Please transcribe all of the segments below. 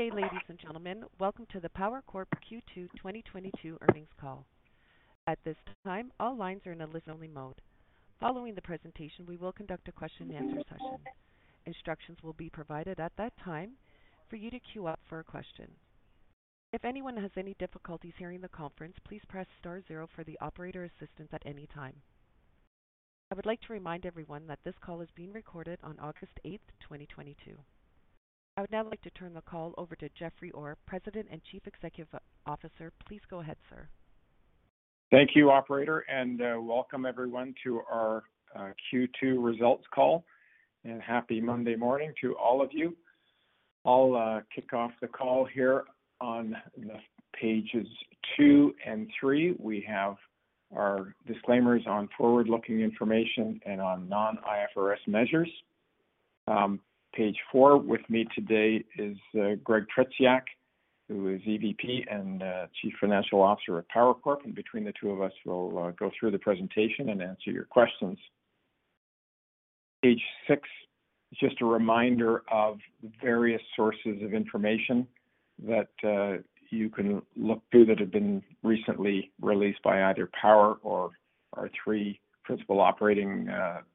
Good day, ladies and gentlemen. Welcome to the Power Corp Q2 2022 Earnings Call. At this time, all lines are in a listen-only mode. Following the presentation, we will conduct a question-and-answer session. Instructions will be provided at that time for you to queue up for a question. If anyone has any difficulties hearing the conference, please press star zero for the operator assistance at any time. I would like to remind everyone that this call is being recorded on August 8th, 2022. I would now like to turn the call over to R. Jeffrey Orr, President and Chief Executive Officer. Please go ahead, sir. Thank you, operator, and welcome everyone to our Q2 results call, and happy Monday morning to all of you. I'll kick off the call here on the pages two and three. We have our disclaimers on forward-looking information and on non-IFRS measures. Page four, with me today is Gregory D. Tretiak, who is EVP and Chief Financial Officer of Power Corp. Between the two of us, we'll go through the presentation and answer your questions. Page six is just a reminder of various sources of information that you can look through that have been recently released by either Power or our three principal operating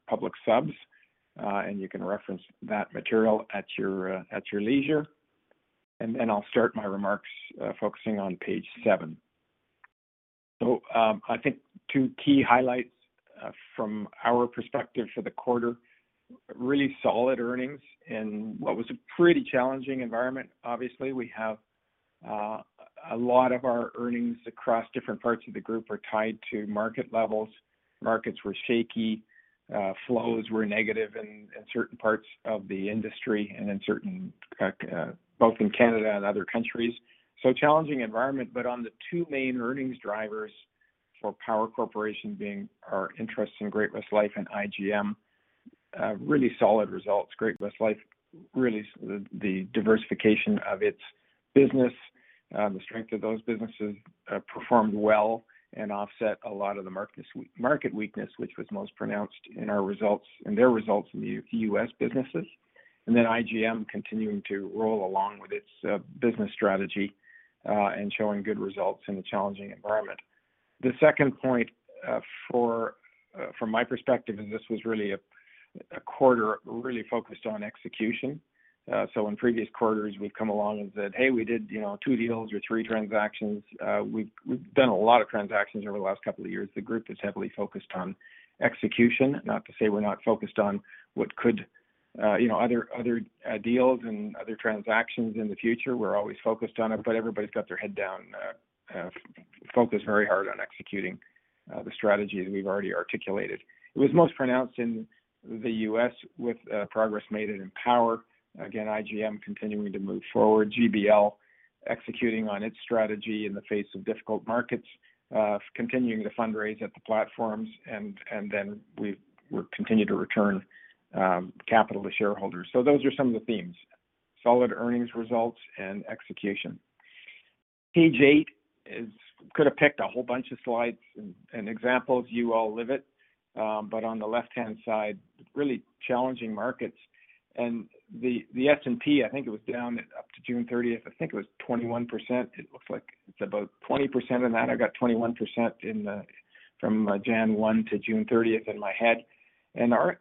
public subs. You can reference that material at your leisure. I'll start my remarks focusing on page seven. I think two key highlights from our perspective for the quarter, really solid earnings in what was a pretty challenging environment. Obviously, we have a lot of our earnings across different parts of the group are tied to market levels. Markets were shaky, flows were negative in certain parts of the industry and in certain both in Canada and other countries. Challenging environment, but on the two main earnings drivers for Power Corporation being our interest in Great-West Lifeco and IGM, really solid results. Great-West Lifeco, really the diversification of its business, the strength of those businesses, performed well and offset a lot of the market weakness, which was most pronounced in our results in their results in the U.S. businesses. IGM continuing to roll along with its business strategy and showing good results in a challenging environment. The second point, from my perspective, and this was really a quarter really focused on execution. In previous quarters, we've come along and said, "Hey, we did, you know, two deals or three transactions." We've done a lot of transactions over the last couple of years. The group is heavily focused on execution. Not to say we're not focused on what could, you know, other deals and other transactions in the future. We're always focused on it, but everybody's got their head down focused very hard on executing the strategies we've already articulated. It was most pronounced in the U.S. with progress made in Power. Again, IGM continuing to move forward. GBL executing on its strategy in the face of difficult markets, continuing to fundraise at the platforms. We continue to return capital to shareholders. Those are some of the themes, solid earnings results and execution. Page eight is could have picked a whole bunch of slides and examples. You all live it. On the left-hand side, really challenging markets. The S&P, I think it was down up to June 30th. I think it was 21%. It looks like it's about 20% in that. I got 21% in from January 1 to June 30th in my head.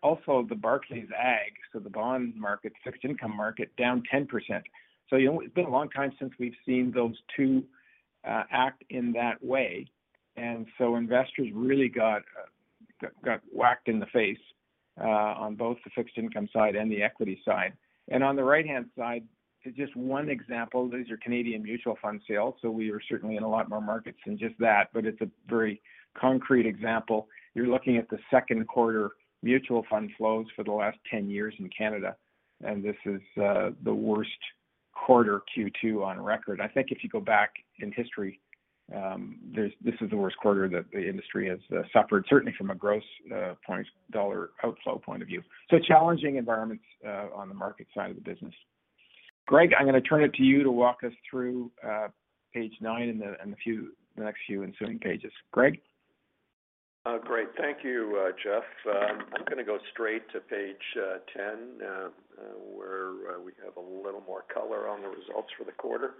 Also, the Barclays Agg, so the bond market, fixed income market, down 10%. You know, it's been a long time since we've seen those two act in that way. And so, investors really got whacked in the face on both the fixed income side and the equity side. On the right-hand side, just one example. These are Canadian mutual fund sales, so we are certainly in a lot more markets than just that, but it's a very concrete example. You're looking at the second quarter mutual fund flows for the last 10 years in Canada, and this is the worst quarter Q2 on record. I think if you go back in history, this is the worst quarter that the industry has suffered, certainly from a gross dollar outflow point of view. Challenging environments on the market side of the business. Greg, I'm gonna turn it to you to walk us through page nine and the next few ensuing pages. Greg? Great. Thank you, Jeff. I'm gonna go straight to page 10, where we have a little more color on the results for the quarter.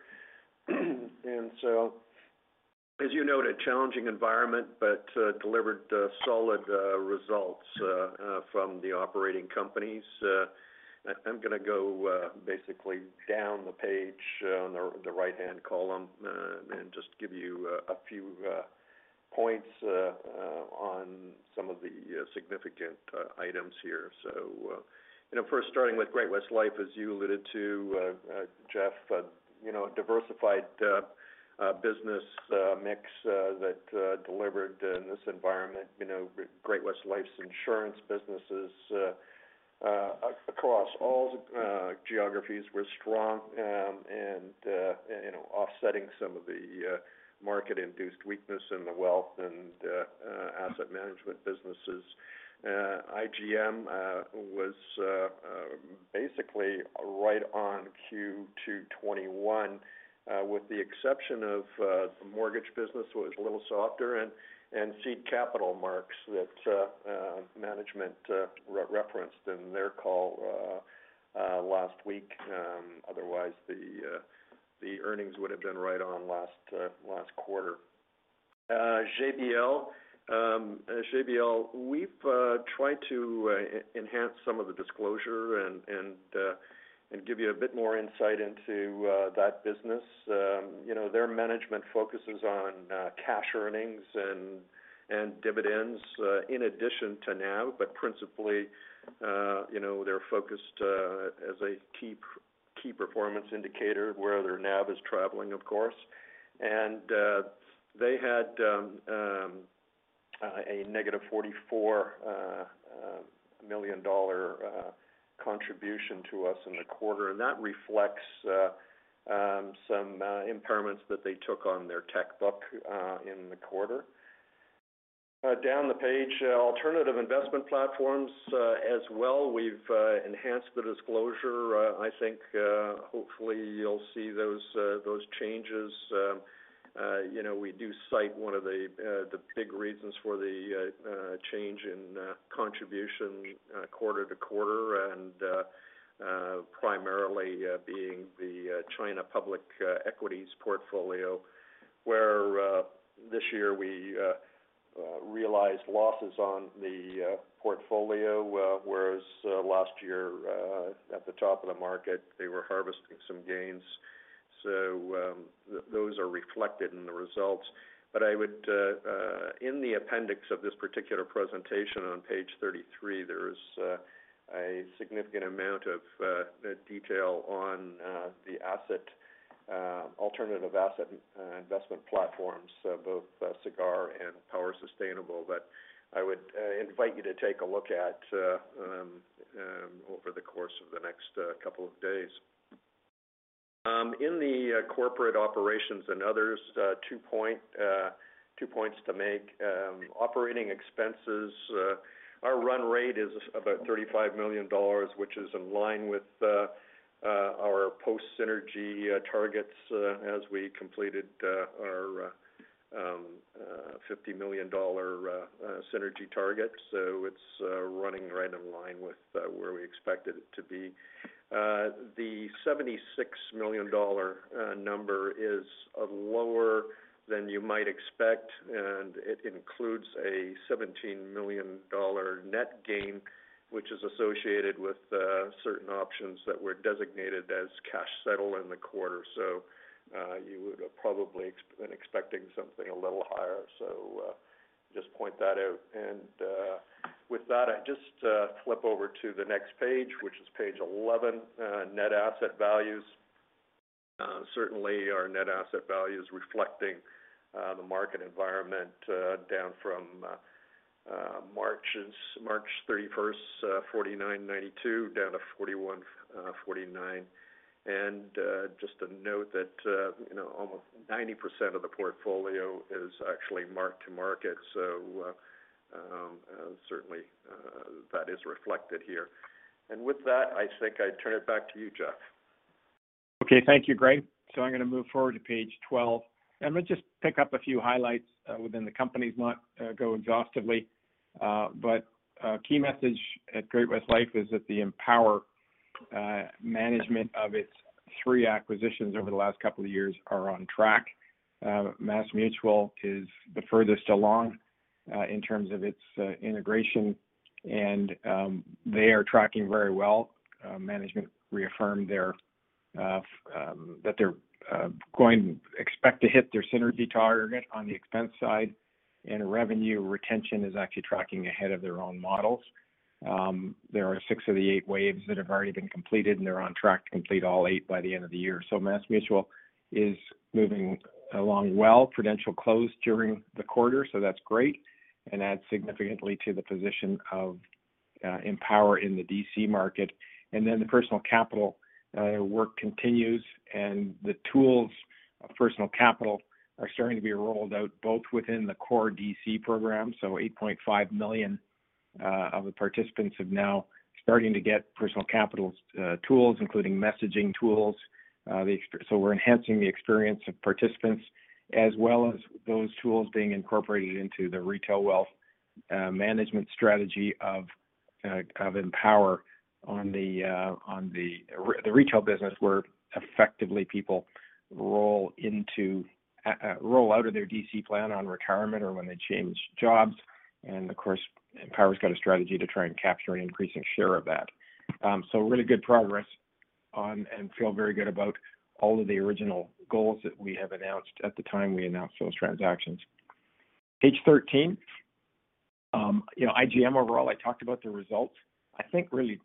As you noted, challenging environment, but delivered solid results from the operating companies. I'm gonna go basically down the page on the right-hand column and just give you a few points on some of the significant items here. You know, first starting with Great-West Lifeco, as you alluded to, Jeff, you know, a diversified business mix that delivered in this environment. You know, Great-West Life's insurance businesses across all the geographies were strong, and you know, offsetting some of the market-induced weakness in the wealth and asset management businesses. IGM was basically right on Q2 2021, with the exception of the mortgage business was a little softer and seed capital marks that management referenced in their call last week. Otherwise the earnings would have been right on last quarter. GBL. We've tried to enhance some of the disclosure and give you a bit more insight into that business. You know, their management focuses on cash earnings and dividends in addition to NAV, but principally, you know, they're focused as a key performance indicator where their NAV is traveling, of course. They had a negative $44 million contribution to us in the quarter, and that reflects some impairments that they took on their tech book in the quarter. Down the page, alternative investment platforms, as well, we've enhanced the disclosure. I think hopefully you'll see those changes. You know, we do cite one of the big reasons for the change in contribution quarter to quarter and primarily being the China public equities portfolio, where this year we realized losses on the portfolio, whereas last year at the top of the market, they were harvesting some gains. Those are reflected in the results. I would in the appendix of this particular presentation on page 33, there's a significant amount of detail on the alternative asset investment platforms, both Sagard and Power Sustainable that I would invite you to take a look at over the course of the next couple of days. In the corporate operations and others, two points to make. Operating expenses, our run rate is about 35 million dollars, which is in line with our post-synergy targets, as we completed our 50 million dollar synergy target. It's running right in line with where we expected it to be. The 76 million dollar number is lower than you might expect, and it includes a 17 million dollar net gain, which is associated with certain options that were designated as cash settled in the quarter. You would have probably been expecting something a little higher. Just point that out. With that, I just flip over to the next page, which is page 11, net asset values. Certainly our net asset value is reflecting the market environment, down from March 31st, 49.92 to 41.49. Just to note that, you know, almost 90% of the portfolio is actually mark to market. Certainly, that is reflected here. With that, I think I turn it back to you, Jeff. Okay. Thank you, Greg. I'm going to move forward to page 12, and let's just pick up a few highlights within the companies, not going to go exhaustively. But a key message at Great-West Lifeco is that the Empower management of its three acquisitions over the last couple of years are on track. MassMutual is the furthest along in terms of its integration, and they are tracking very well. Management reaffirmed that they're expect to hit their synergy target on the expense side, and revenue retention is actually tracking ahead of their own models. There are six of the eight waves that have already been completed, and they're on track to complete all eight by the end of the year. MassMutual is moving along well. Prudential closed during the quarter, so that's great, and adds significantly to the position of Empower in the DC market. The Personal Capital work continues, and the tools of Personal Capital are starting to be rolled out both within the core DC program. 8.5 million of the participants have now starting to get Personal Capital tools, including messaging tools. So we're enhancing the experience of participants as well as those tools being incorporated into the retail wealth management strategy of Empower on the retail business, where effectively people roll out of their DC plan on retirement or when they change jobs. Of course, Empowers got a strategy to try and capture an increasing share of that. Really good progress on and feel very good about all of the original goals that we have announced at the time we announced those transactions. Page 13. You know, IGM, overall, I talked about the results. I think really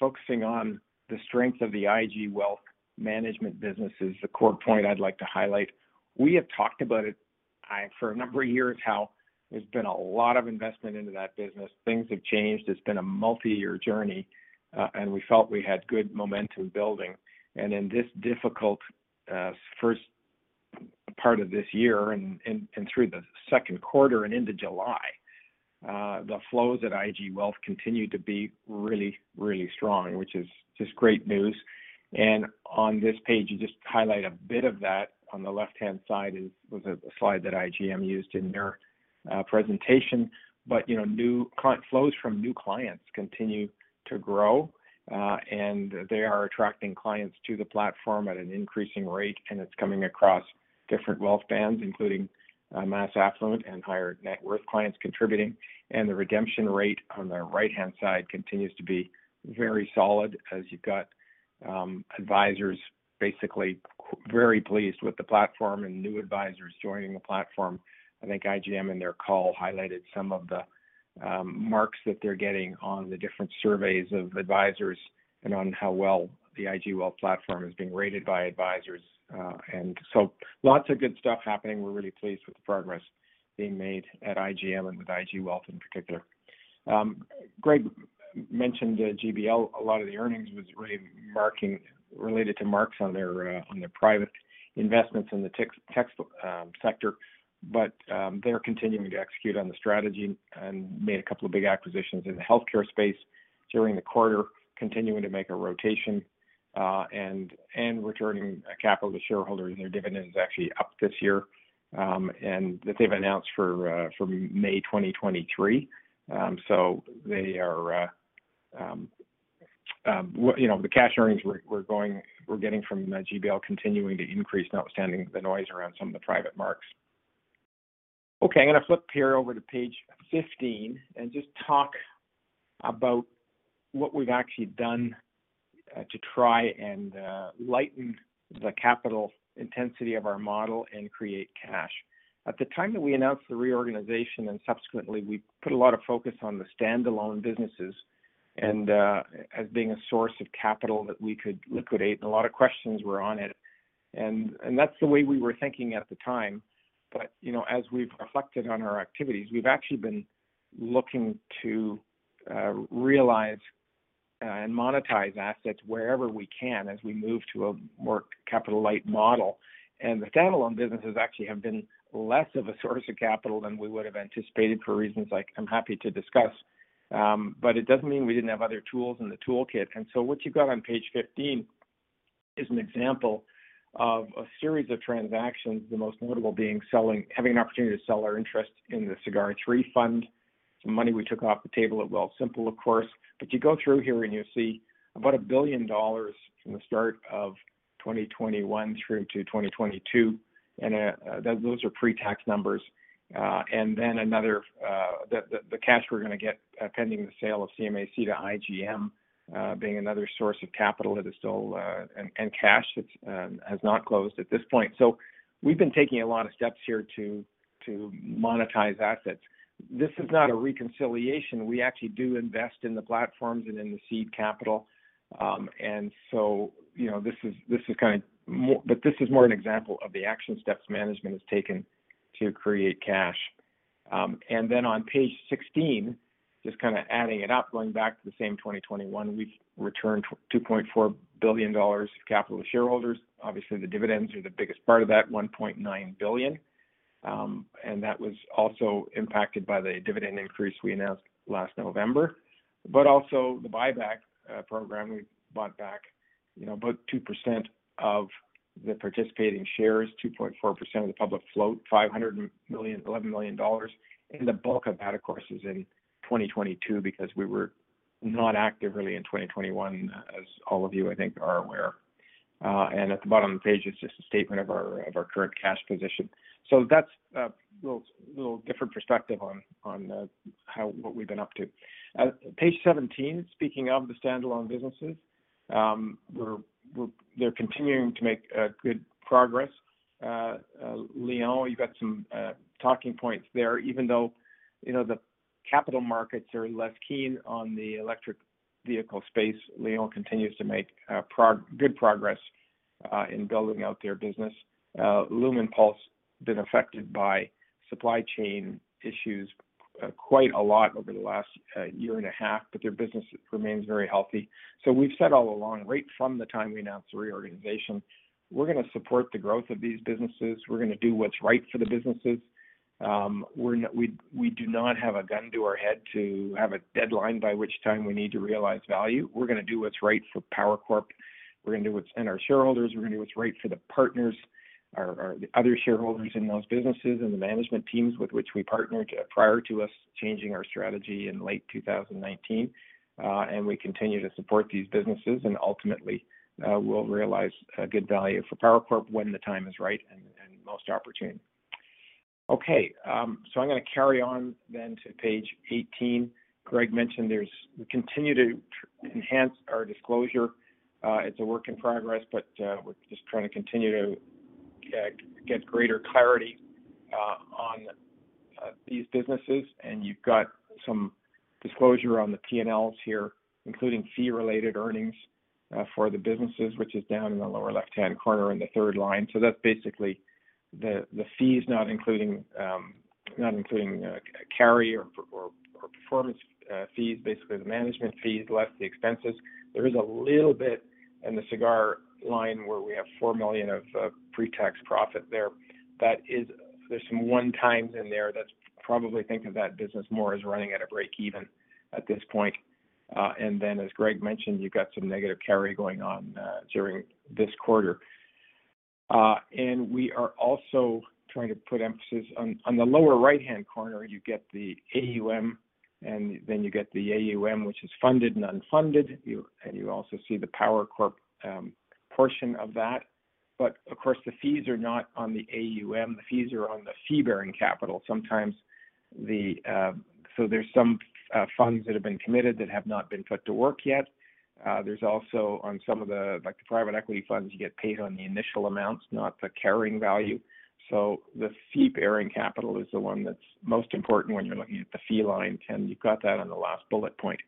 focusing on the strength of the IG Wealth Management business is the core point I'd like to highlight. We have talked about it for a number of years, how there's been a lot of investment into that business. Things have changed. It's been a multi-year journey, and we felt we had good momentum building. In this difficult first part of this year and through the second quarter and into July, the flows at IG Wealth continued to be really, really strong, which is just great news. On this page, you just highlight a bit of that. On the left-hand side is a slide that IGM used in their presentation. You know, new client flows from new clients continue to grow, and they are attracting clients to the platform at an increasing rate, and it's coming across different wealth bands, including mass affluent and higher net worth clients contributing. The redemption rate on the right-hand side continues to be very solid as you've got advisors basically very pleased with the platform and new advisors joining the platform. I think IGM in their call highlighted some of the marks that they're getting on the different surveys of advisors and on how well the IG Wealth platform is being rated by advisors. Lots of good stuff happening. We're really pleased with the progress being made at IGM and with IG Wealth in particular. Greg mentioned GBL. A lot of the earnings was remarking related to marks on their private investments in the tech sector. They're continuing to execute on the strategy and made a couple of big acquisitions in the healthcare space during the quarter, continuing to make a rotation and returning capital to shareholders. Their dividend is actually up this year, and that they've announced for from May 2023. You know, the cash earnings we're getting from GBL continuing to increase notwithstanding the noise around some of the private marks. Okay, I'm gonna flip here over to page 15 and just talk about what we've actually done to try and lighten the capital intensity of our model and create cash. At the time that we announced the reorganization and subsequently, we put a lot of focus on the standalone businesses and as being a source of capital that we could liquidate, and a lot of questions were on it. That's the way we were thinking at the time. You know, as we've reflected on our activities, we've actually been looking to realize and monetize assets wherever we can as we move to a more capital-light model. The standalone businesses actually have been less of a source of capital than we would have anticipated for reasons like I'm happy to discuss. It doesn't mean we didn't have other tools in the toolkit. What you've got on page 15 is an example of a series of transactions, the most notable being having an opportunity to sell our interest in the Sagard III fund, some money we took off the table at Wealthsimple, of course. You go through here and you see about 1 billion dollars from the start of 2021 through to 2022, and those are pre-tax numbers. And then another, the cash we're gonna get pending the sale of China AMC to IGM, being another source of capital that is still, and cash that's has not closed at this point. We've been taking a lot of steps here to monetize assets. This is not a reconciliation. We actually do invest in the platforms and in the seed capital. You know, this is more an example of the action steps management has taken to create cash. On page 16, just kind of adding it up, going back to the same 2021, we've returned 2.4 billion dollars to capital shareholders. Obviously, the dividends are the biggest part of that, 1.9 billion. That was also impacted by the dividend increase we announced last November. Also the buyback program. We bought back, you know, about 2% of the participating shares, 2.4% of the public float, 511 million. The bulk of that, of course, is in 2022 because we were not active really in 2021, as all of you, I think, are aware. At the bottom of the page is just a statement of our current cash position. That's a little different perspective on what we've been up to. Page 17, speaking of the standalone businesses, they're continuing to make good progress. Lion, you've got some talking points there. Even though, you know, the capital markets are less keen on the electric vehicle space, Lion continues to make good progress in building out their business. Lumenpulse been affected by supply chain issues quite a lot over the last year and a half, but their business remains very healthy. We've said all along, right from the time we announced the reorganization, we're gonna support the growth of these businesses. We're gonna do what's right for the businesses. We do not have a gun to our head to have a deadline by which time we need to realize value. We're gonna do what's right for Power Corp. We're gonna do what's right for our shareholders. We're gonna do what's right for the partners, our, the other shareholders in those businesses and the management teams with which we partnered prior to us changing our strategy in late 2019. We continue to support these businesses, and ultimately, we'll realize a good value for Power Corp when the time is right and most opportune. Okay, so I'm gonna carry on then to page 18. Greg mentioned we continue to enhance our disclosure. It's a work in progress, but we're just trying to continue to get greater clarity on these businesses. You've got some disclosure on the P&Ls here, including fee-related earnings for the businesses, which is down in the lower left-hand corner in the third line. That's basically the fees not including carry or performance fees, basically the management fees less the expenses. There is a little bit in the Sagard line where we have 4 million of pre-tax profit there. That is, there's some one-times in there that's probably think of that business more as running at a break-even at this point. As Greg mentioned, you've got some negative carry going on during this quarter. We are also trying to put emphasis on the lower right-hand corner, you get the AUM, and then you get the AUM, which is funded and unfunded. You also see the Power Corp portion of that. Of course, the fees are not on the AUM. The fees are on the fee-bearing capital. Sometimes the funds that have been committed that have not been put to work yet. There's also on some of the, like, the private equity funds, you get paid on the initial amounts, not the carrying value. The fee-bearing capital is the one that's most important when you're looking at the fee line, and you've got that on the last bullet point.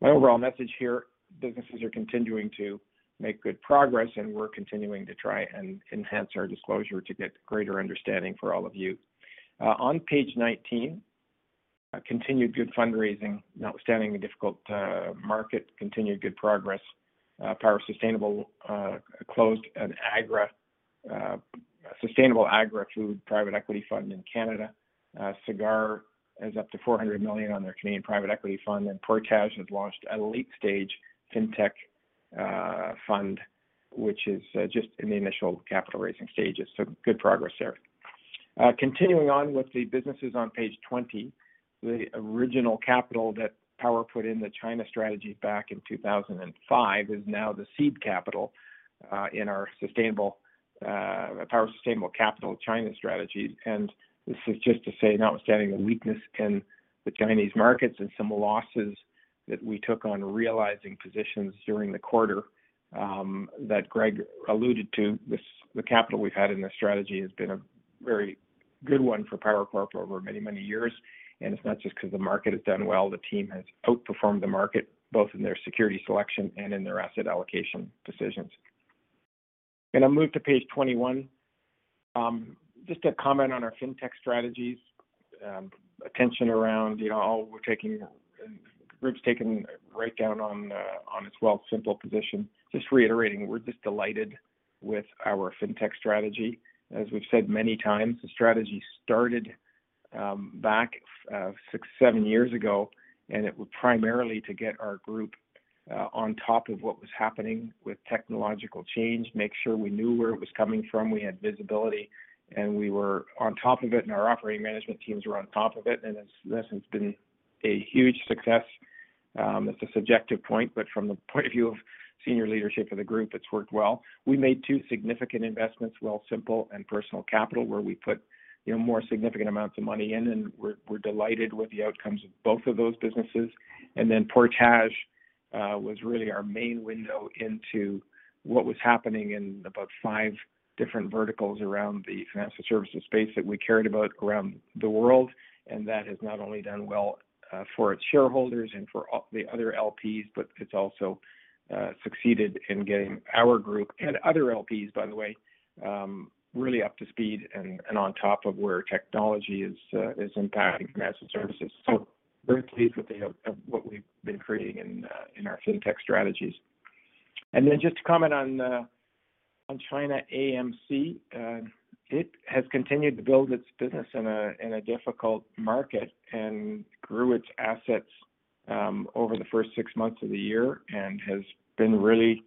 My overall message here, businesses are continuing to make good progress, and we're continuing to try and enhance our disclosure to get greater understanding for all of you. On page 19, continued good fundraising. Notwithstanding the difficult market, continued good progress. Power Sustainable closed a sustainable Agri food private equity fund in Canada. Sagard is up to 400 million on their Canadian private equity fund. Portage has launched a late-stage fintech fund which is just in the initial capital raising stages. Good progress there. Continuing on with the businesses on page 20, the original capital that Power put in the China strategy back in 2005 is now the seed capital in our sustainable Power Sustainable Capital China strategy. This is just to say notwithstanding the weakness in the Chinese markets and some losses that we took on realizing positions during the quarter, that Greg alluded to, the capital we've had in this strategy has been a very good one for Power Corp over many, many years. It's not just because the market has done well. The team has outperformed the market, both in their security selection and in their asset allocation decisions. Gonna move to page 21. Just to comment on our Fintech strategies, attention around, you know, the group's taking a breakdown on its Wealthsimple position. Just reiterating, we're just delighted with our Fintech strategy. As we've said many times, the strategy started back six to seven years ago, and it was primarily to get our group on top of what was happening with technological change, make sure we knew where it was coming from, we had visibility, and we were on top of it, and our operating management teams were on top of it. This has been a huge success. It's a subjective point, but from the point of view of senior leadership of the group, it's worked well. We made two significant investments, Wealthsimple and Personal Capital, where we put, you know, more significant amounts of money in, and we're delighted with the outcomes of both of those businesses. Portage was really our main window into what was happening in about five different verticals around the financial services space that we cared about around the world. That has not only done well for its shareholders and for all the other LPs, but it's also succeeded in getting our group and other LPs, by the way, really up to speed and on top of where technology is impacting financial services. Very pleased with what we've been creating in our fintech strategies. Then just to comment on China AMC, it has continued to build its business in a difficult market and grew its assets over the first six months of the year and has been really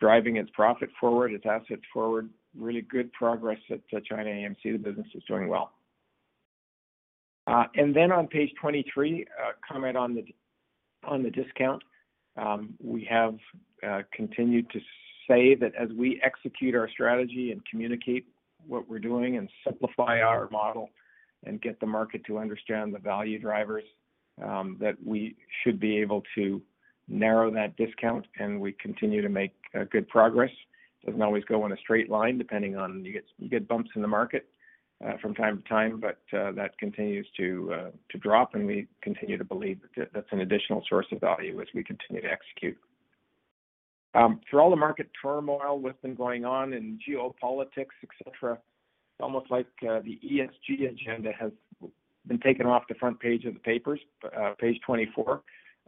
driving its profit forward, its assets forward. Really good progress at China AMC. The business is doing well. On page 23, a comment on the discount. We have continued to say that as we execute our strategy and communicate what we're doing and simplify our model and get the market to understand the value drivers, that we should be able to narrow that discount and we continue to make good progress. Doesn't always go in a straight line, depending on. You get bumps in the market from time to time, but that continues to drop, and we continue to believe that that's an additional source of value as we continue to execute. Through all the market turmoil that's been going on in geopolitics, et cetera, it's almost like the ESG agenda has been taken off the front page of the papers, page 24.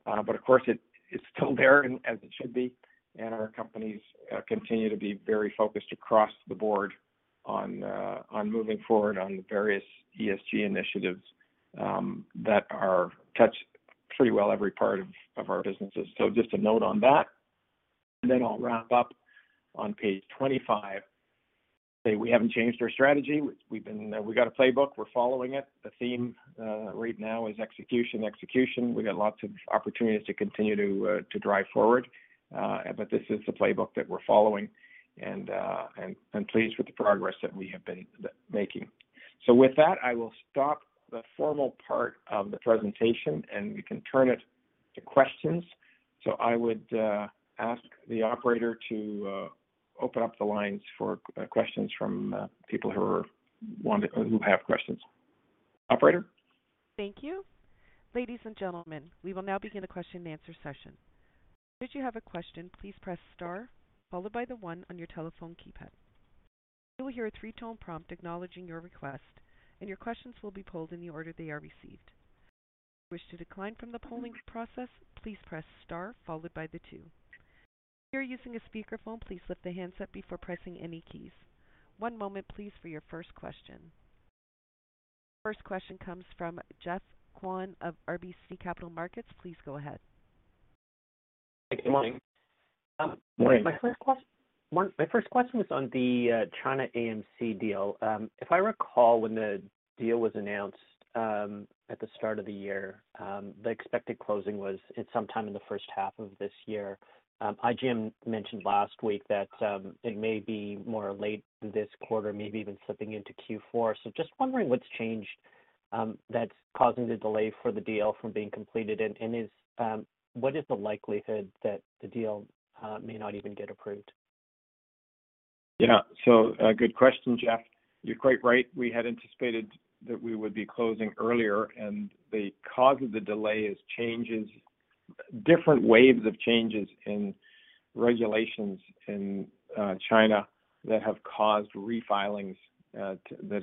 Of course it is still there and as it should be, and our companies continue to be very focused across the board on moving forward on the various ESG initiatives that touch pretty well every part of our businesses. Just a note on that. I'll wrap up on page 25. We haven't changed our strategy. We've got a playbook. We're following it. The theme right now is execution. We've got lots of opportunities to continue to drive forward. This is the playbook that we're following and pleased with the progress that we have been making. With that, I will stop the formal part of the presentation, and we can turn it to questions. I would ask the operator to open up the lines for questions from people who have questions. Operator? Thank you. Ladies and gentlemen, we will now begin the question and answer session. Should you have a question, please press star followed by the one on your telephone keypad. You will hear a three-tone prompt acknowledging your request, and your questions will be pulled in the order they are received. If you wish to decline from the polling process, please press star followed by the two. If you are using a speakerphone, please lift the handset before pressing any keys. One moment please for your first question. Your first question comes from Geoffrey Kwan of RBC Capital Markets. Please go ahead. Good morning. Morning. Mark, my first question was on the China AMC deal. If I recall, when the deal was announced, at the start of the year, the expected closing was at some time in the first half of this year. IGM mentioned last week that it may be more late this quarter, maybe even slipping into Q4. Just wondering what's changed, that's causing the delay for the deal from being completed and is what is the likelihood that the deal may not even get approved? Yeah sure. A good question, Geoff. You're quite right. We had anticipated that we would be closing earlier, and the cause of the delay is changes, different waves of changes in regulations in China that have caused re-filings, that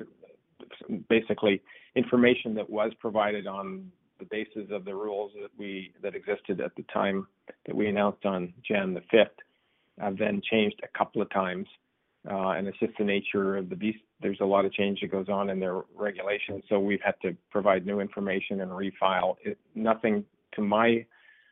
basically information that was provided on the basis of the rules that existed at the time that we announced on January 5th, then changed a couple of times. It's just the nature of the beast. There's a lot of change that goes on in their regulations, so we've had to provide new information and refile. Nothing to my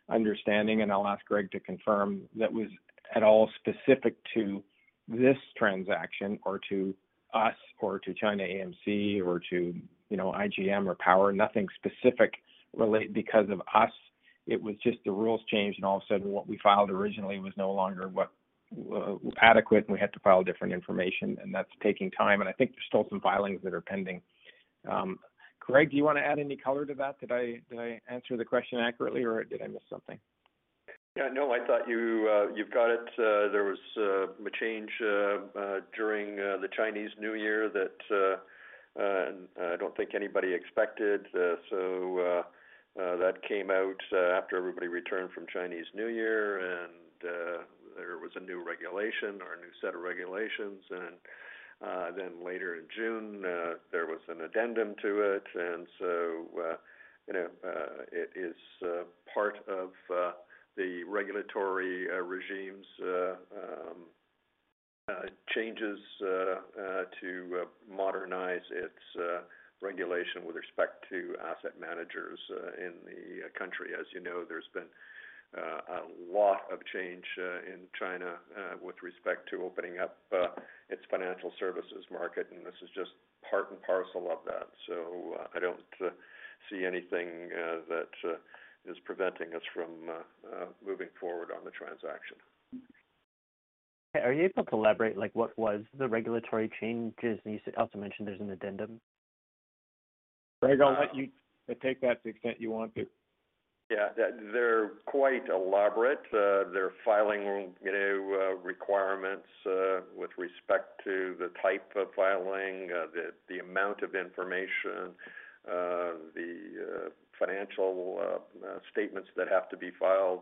understanding, and I'll ask Greg to confirm, that was at all specific to this transaction or to us or to China AMC or to, you know, IGM or Power. Nothing specific related because of us. It was just the rules changed, and all of a sudden what we filed originally was no longer what was adequate, and we had to file different information and that's taking time. I think there's still some filings that are pending. Greg, do you want to add any color to that? Did I answer the question accurately or did I miss something? Yeah. No, I thought you've got it. There was a change during the Chinese New Year that I don't think anybody expected. That came out after everybody returned from Chinese New Year and there was a new regulation or a new set of regulations. Later in June, there was an addendum to it. You know, it is part of the regulatory regimes changes to modernize its regulation with respect to asset managers in the country. As you know, there's been a lot of change in China with respect to opening up its financial services market, and this is just part and parcel of that. I don't see anything that is preventing us from moving forward on the transaction. Are you able to elaborate, like what was the regulatory changes? You also mentioned there's an addendum. Greg, I'll let you take that to the extent you want to. Yeah. They're quite elaborate. They're filing, you know, requirements with respect to the type of filing, the amount of information, the financial statements that have to be filed.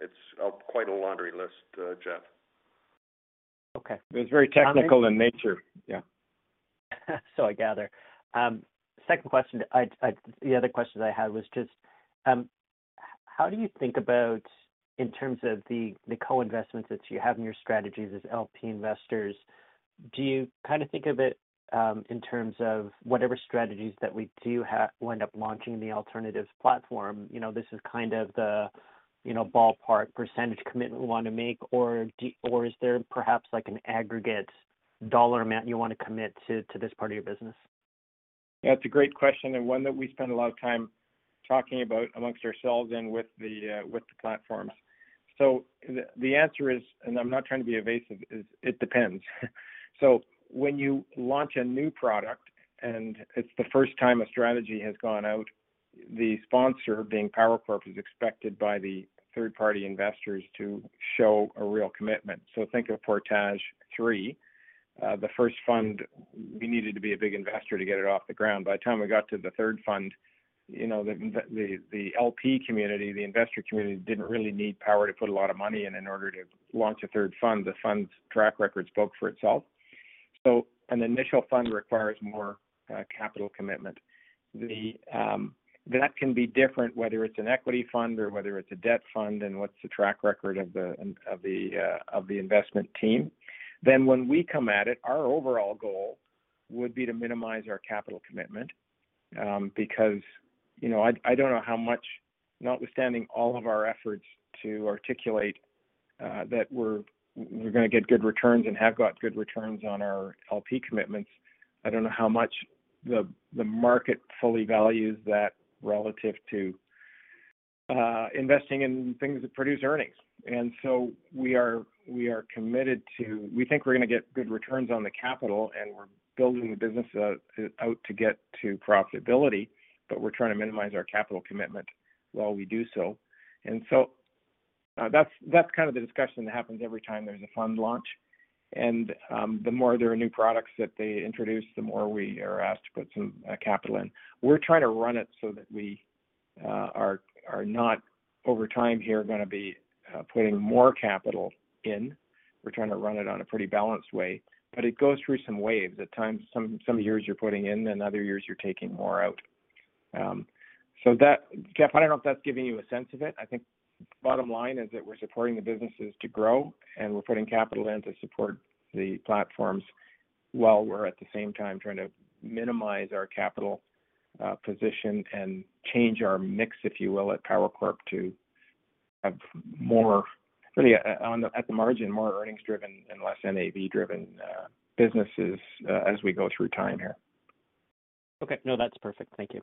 It's quite a laundry list, Geoff. Okay. It's very technical in nature. Yeah. So, I gather. Second question. I the other question I had was just, how do you think about in terms of the co-investments that you have in your strategies as LP investors, do you kind of think of it in terms of whatever strategies that we do wind up launching in the alternatives platform? You know, this is kind of the ballpark percentage commitment we want to make. Or is there perhaps like an aggregate dollar amount you want to commit to this part of your business? That's a great question and one that we spend a lot of time talking about among ourselves and with the platforms. So the answer is, and I'm not trying to be evasive, is it depends. So when you launch a new product and it's the first time a strategy has gone out, the sponsor, being Power Corp, is expected by the third-party investors to show a real commitment. So think of Portage Three. The first fund, we needed to be a big investor to get it off the ground. By the time we got to the third fund, you know, the LP community, the investor community, didn't really need Power to put a lot of money in order to launch a third fund. The fund's track record spoke for itself. So an initial fund requires more capital commitment. The... That can be different, whether it's an equity fund or whether it's a debt fund, and what's the track record of the investment team. When we come at it, our overall goal would be to minimize our capital commitment, because, you know, I don't know how much, notwithstanding all of our efforts to articulate, that we're gonna get good returns and have got good returns on our LP commitments, I don't know how much the market fully values that relative to, investing in things that produce earnings. We think we're gonna get good returns on the capital, and we're building the business out to get to profitability, but we're trying to minimize our capital commitment while we do so. That's kind of the discussion that happens every time there's a fund launch. The more there are new products that they introduce, the more we are asked to put some capital in. We're trying to run it so that we are not over time here gonna be putting more capital in. We're trying to run it on a pretty balanced way. It goes through some waves. At times, some years you're putting in, and other years you're taking more out. Geoffrey Kwan, I don't know if that's giving you a sense of it. I think bottom line is that we're supporting the businesses to grow and we're putting capital in to support the platforms while we're at the same time trying to minimize our capital position and change our mix, if you will, at Power Corp to have more, really, at the margin, more earnings-driven and less NAV-driven businesses, as we go through time here. Okay. No, that's perfect. Thank you.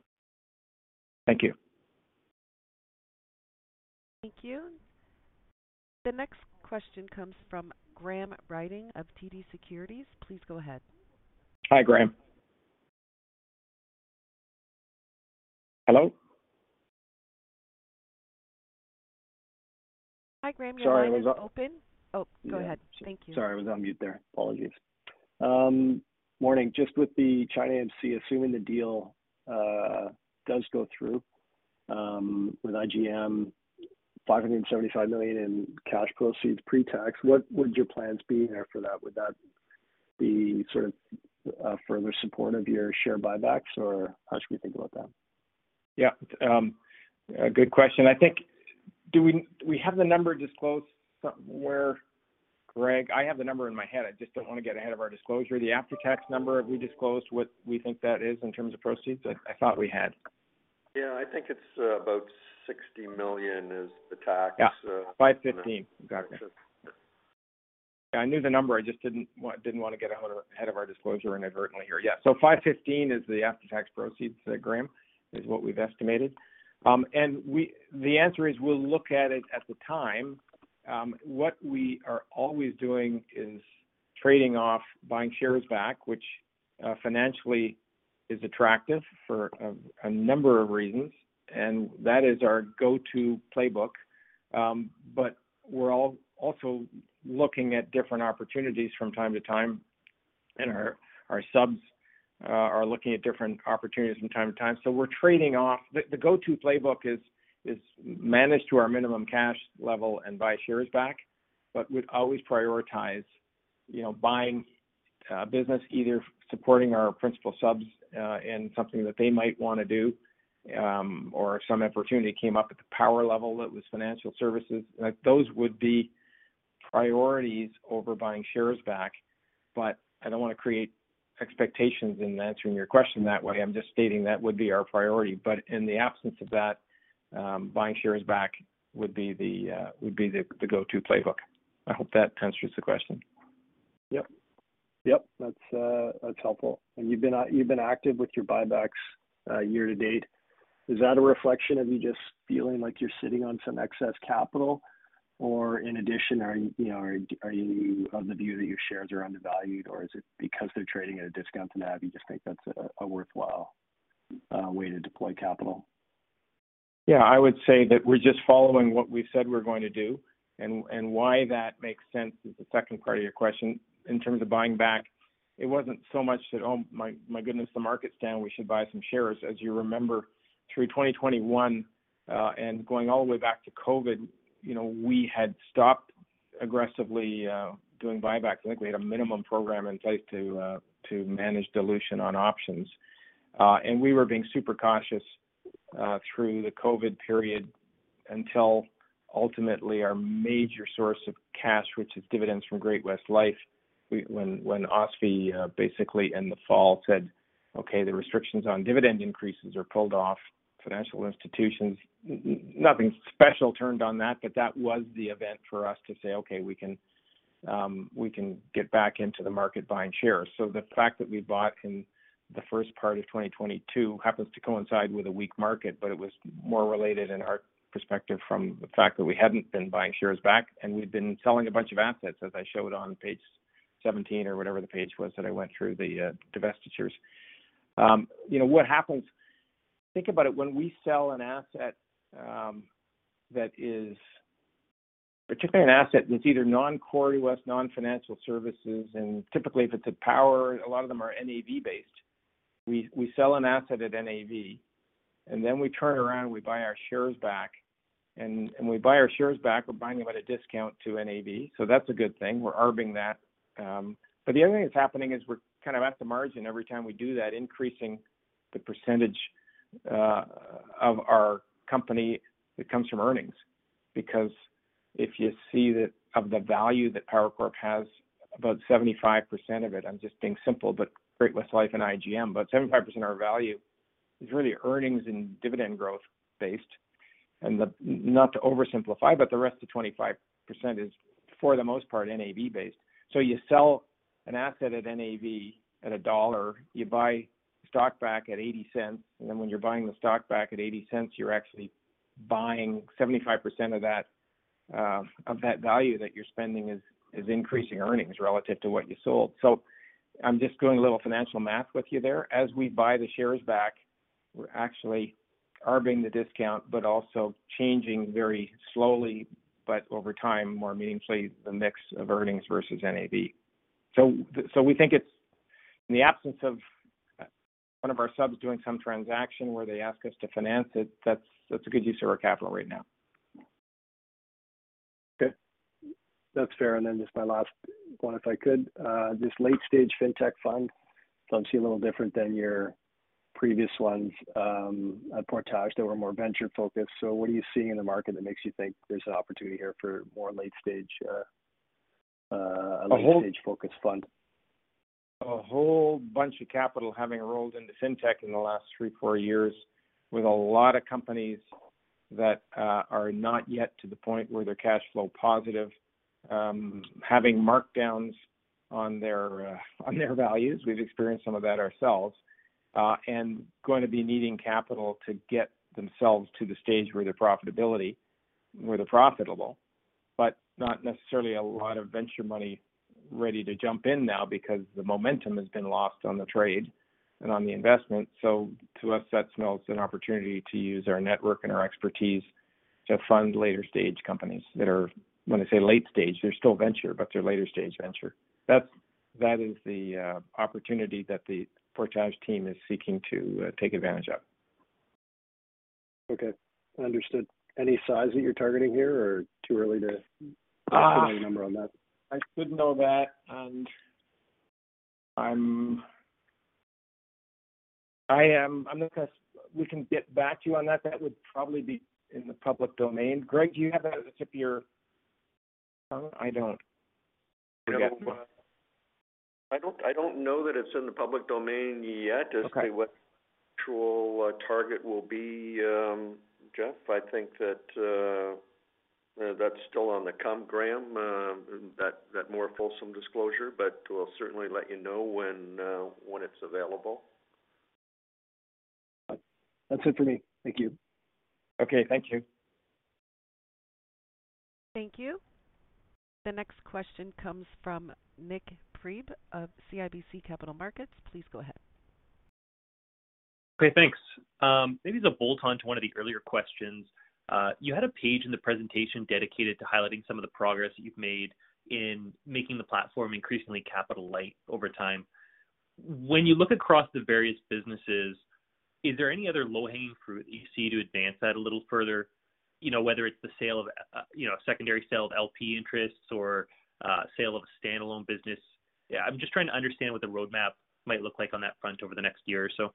Thank you. Thank you. The next question comes from Graham Ryding of TD Securities. Please go ahead. Hi, Graham. Hello? Hi, Graham. Your line is open. Sorry. Oh, go ahead. Thank you. Sorry, I was on mute there. Apologies. Morning. Just with the China AMC, assuming the deal does go through, with IGM 575 million in cash proceeds pre-tax, what would your plans be there for that? Would that be sort of further support of your share buybacks, or how should we think about that? Yeah. A good question. I think. Do we have the number disclosed somewhere, Greg? I have the number in my head. I just don't want to get ahead of our disclosure. The after-tax number, have we disclosed what we think that is in terms of proceeds? I thought we had. Yeah. I think it's about 60 million is the tax. Yeah, 515. Got it. Yeah, I knew the number. I just didn't wanna get ahead of our disclosure inadvertently here. Yeah. 515 is the after-tax proceeds, Graham, is what we've estimated. The answer is we'll look at it at the time. What we are always doing is trading off buying shares back, which financially is attractive for a number of reasons, and that is our go-to playbook. We're also looking at different opportunities from time to time, and our subs are looking at different opportunities from time to time. We're trading off. The go-to playbook is manage to our minimum cash level and buy shares back. We'd always prioritize, you know, buying business, either supporting our principal subs in something that they might wanna do, or if some opportunity came up at the Power level that was financial services. Those would be priorities over buying shares back. I don't wanna create expectations in answering your question that way. I'm just stating that would be our priority. In the absence of that, buying shares back would be the go-to playbook. I hope that answers the question. Yep. Yep, that's helpful. You've been active with your buybacks year-to-date. Is that a reflection of you just feeling like you're sitting on some excess capital? Or in addition, you know, are you of the view that your shares are undervalued, or is it because they're trading at a discount to NAV, you just think that's a worthwhile way to deploy capital? Yeah. I would say that we're just following what we said we're going to do. Why that makes sense is the second part of your question. In terms of buying back, it wasn't so much that, oh my goodness, the market's down, we should buy some shares. As you remember, through 2021, and going all the way back to COVID, you know, we had stopped aggressively doing buybacks. I think we had a minimum program in place to manage dilution on options. We were being super cautious through the COVID period until ultimately our major source of cash, which is dividends from Great-West Lifeco. When OSFI basically in the fall said, "Okay, the restrictions on dividend increases are pulled off financial institutions," nothing special about that, but that was the event for us to say, "Okay, we can get back into the market buying shares." The fact that we bought in the first part of 2022 happens to coincide with a weak market, but it was more related in our perspective to the fact that we hadn't been buying shares back, and we'd been selling a bunch of assets, as I showed on page 17 or whatever the page was that I went through the divestitures. You know what happens. Think about it. When we sell an asset, that is particularly an asset that's either non-core West, non-financial services, and typically, if it's a power, a lot of them are NAV-based. We sell an asset at NAV, and then we turn around and we buy our shares back. We buy our shares back, we're buying them at a discount to NAV. So that's a good thing. We're arbing that. But the other thing that's happening is we're kind of at the margin every time we do that, increasing the percentage of our company that comes from earnings. Because if you see that of the value that Power Corp has, about 75% of it, I'm just being simple, but Great-West Life and IGM, about 75% of our value is really earnings and dividend growth-based. Not to oversimplify, but the rest of 25% is, for the most part, NAV-based. You sell an asset at NAV at CAD 1, you buy stock back at 0.80, and then when you're buying the stock back at 0.80, you're actually buying 75% of that. Of that value that you're spending is increasing earnings relative to what you sold. I'm just doing a little financial math with you there. As we buy the shares back, we're actually arbing the discount, but also changing very slowly, but over time, more meaningfully, the mix of earnings versus NAV. We think it's in the absence of one of our subs doing some transaction where they ask us to finance it, that's a good use of our capital right now. Okay. That's fair. Then just my last one, if I could. This late-stage fintech fund seems a little different than your previous ones at Portage. They were more venture-focused. What are you seeing in the market that makes you think there's an opportunity here for more late-stage focus fund. A whole bunch of capital having rolled into Fintech in the last three to four years with a lot of companies that are not yet to the point where they're cash flow positive, having markdowns on their values. We've experienced some of that ourselves, and going to be needing capital to get themselves to the stage where their profitability, where they're profitable. Not necessarily a lot of venture money ready to jump in now because the momentum has been lost on the trade and on the investment. To us, that smells an opportunity to use our network and our expertise to fund later stage companies that are. When I say late stage, they're still venture, but they're later stage venture. That is the opportunity that the Portage team is seeking to take advantage of. Okay. Understood. Any size that you're targeting here or too early to? Uh. Put a number on that? I should know that. We can get back to you on that. That would probably be in the public domain. Greg, do you have it at the tip of your tongue? I don't. Forgetful. I don't know that it's in the public domain yet. Okay. As to what the actual target will be, Jeff. I think that's still on the come Graham, that more fulsome disclosure. We'll certainly let you know when it's available. That's it for me. Thank you. Okay. Thank you. Thank you. The next question comes from Nik Priebe of CIBC Capital Markets. Please go ahead. Okay, thanks. Maybe to bolt on to one of the earlier questions. You had a page in the presentation dedicated to highlighting some of the progress you've made in making the platform increasingly capital light over time. When you look across the various businesses, is there any other low-hanging fruit you see to advance that a little further? You know, whether it's the sale of, you know, secondary sale of LP interests or, sale of a standalone business. Yeah, I'm just trying to understand what the roadmap might look like on that front over the next year or so.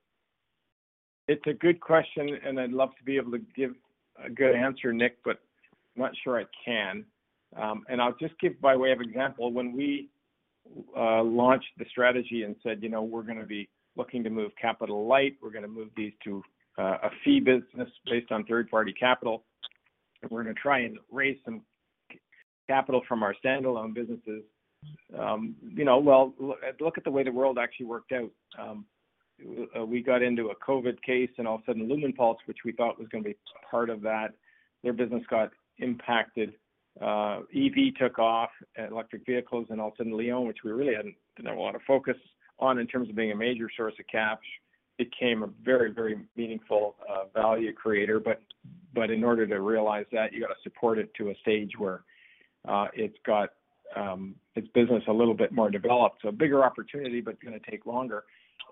It's a good question, and I'd love to be able to give a good answer, Nik, but I'm not sure I can. I'll just give by way of example, when we launched the strategy and said, "You know, we're gonna be looking to move capital light, we're gonna move these to a fee business based on third-party capital, and we're gonna try and raise some capital from our standalone businesses." You know, well, look at the way the world actually worked out. We got into a COVID case, and all of a sudden Lumenpulse, which we thought was gonna be part of that, their business got impacted. EV took off, electric vehicles, and all of a sudden Lion, which we really hadn't done a lot of focus on in terms of being a major source of cash, became a very, very meaningful value creator. But in order to realize that, you got to support it to a stage where it's got its business a little bit more developed. A bigger opportunity, but it's gonna take longer.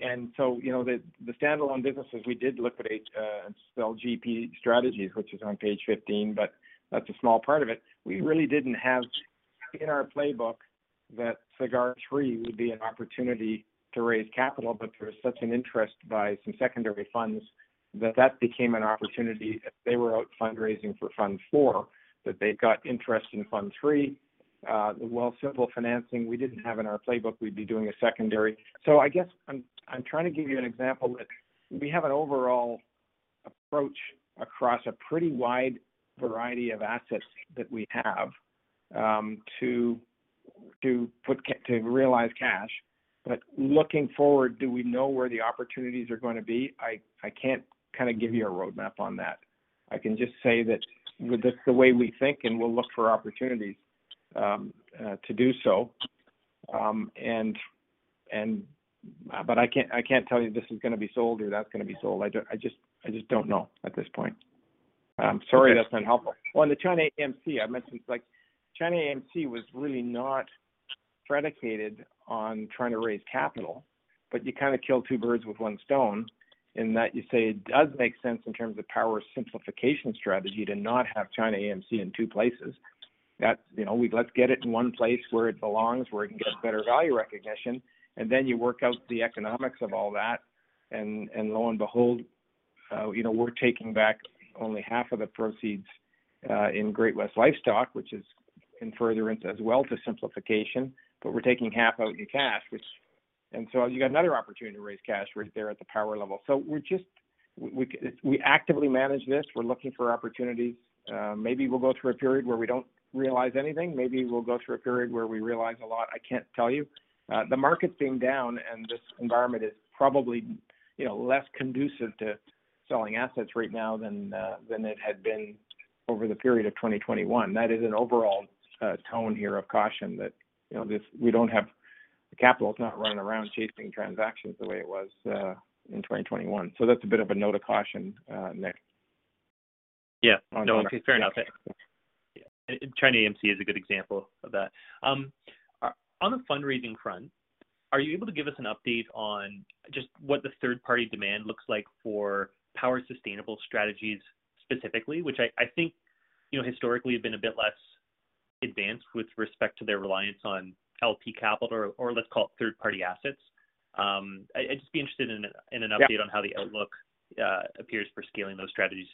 You know, the standalone businesses, we did liquidate and sell GP Strategies, which is on page 15, but that's a small part of it. We really didn't have in our playbook that Sagard III would be an opportunity to raise capital, but there was such an interest by some secondary funds that that became an opportunity. They were out fundraising for fund four, that they've got interest in fund three. The Wealthsimple financing we didn't have in our playbook, we'd be doing a secondary. I guess I'm trying to give you an example that we have an overall approach across a pretty wide variety of assets that we have to realize cash. Looking forward, do we know where the opportunities are gonna be? I can't kinda give you a roadmap on that. I can just say that that's the way we think, and we'll look for opportunities to do so. I can't tell you this is gonna be sold or that's gonna be sold. I just don't know at this point. I'm sorry that's not helpful. The China AMC, I mentioned, like China AMC was really not predicated on trying to raise capital, but you kinda kill two birds with one stone in that you say it does make sense in terms of Power simplification strategy to not have China AMC in two places. That's, let's get it in one place where it belongs, where it can get better value recognition, and then you work out the economics of all that. Lo and behold, we're taking back only half of the proceeds in Great-West Lifeco, which is in furtherance as well to simplification. We're taking half out in cash, which you got another opportunity to raise cash right there at the Power level. We're just. We actively manage this. We're looking for opportunities. Maybe we'll go through a period where we don't realize anything. Maybe we'll go through a period where we realize a lot. I can't tell you. The market being down and this environment is probably, you know, less conducive to selling assets right now than it had been over the period of 2021. That is an overall tone here of caution that, you know, we don't have. The capital is not running around chasing transactions the way it was in 2021. That's a bit of a note of caution, Nik. Yeah. No, it's fair enough. Yeah. China AMC is a good example of that. On the fundraising front, are you able to give us an update on just what the third-party demand looks like for Power Sustainable strategies specifically? Which I think, you know, historically have been a bit less advanced with respect to their reliance on LP capital or let's call it third-party assets. I'd just be interested in an update on how the outlook appears for scaling those strategies.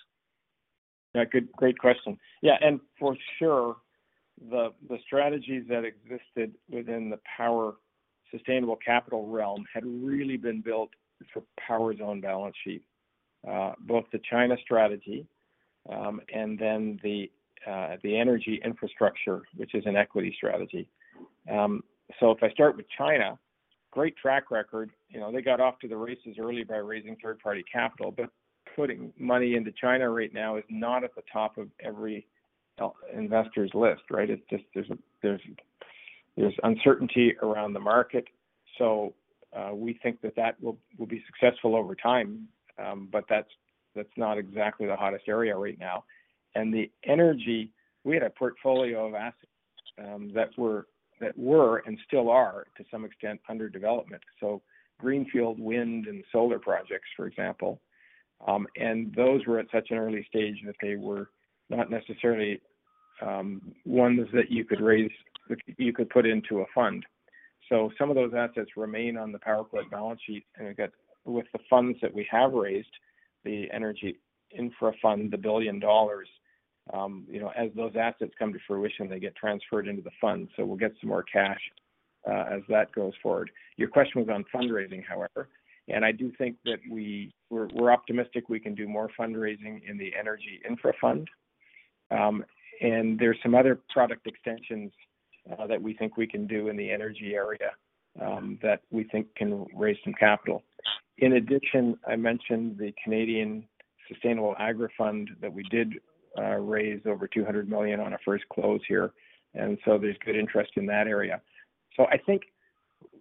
Yeah. Good, great question. Yeah, and for sure the strategies that existed within the Power Sustainable capital realm had really been built for Power's own balance sheet. Both the China strategy and then the energy infrastructure, which is an equity strategy. If I start with China, great track record. You know, they got off to the races early by raising third-party capital. Putting money into China right now is not at the top of every investor's list, right? It's just, there's uncertainty around the market. We think that will be successful over time. That's not exactly the hottest area right now. The energy, we had a portfolio of assets that were and still are to some extent under development. Greenfield wind and solar projects, for example. Those were at such an early stage that they were not necessarily ones that you could put into a fund. Some of those assets remain on the Power Corp balance sheet. Again, with the funds that we have raised, the energy infra fund, 1 billion dollars, you know, as those assets come to fruition, they get transferred into the fund. We'll get some more cash as that goes forward. Your question was on fundraising, however, and I do think that we're optimistic we can do more fundraising in the energy infra fund. There's some other product extensions that we think we can do in the energy area that we think can raise some capital. In addition, I mentioned the Canadian Sustainable Agri Fund that we did raise over 200 million on our first close here, and there's good interest in that area. I think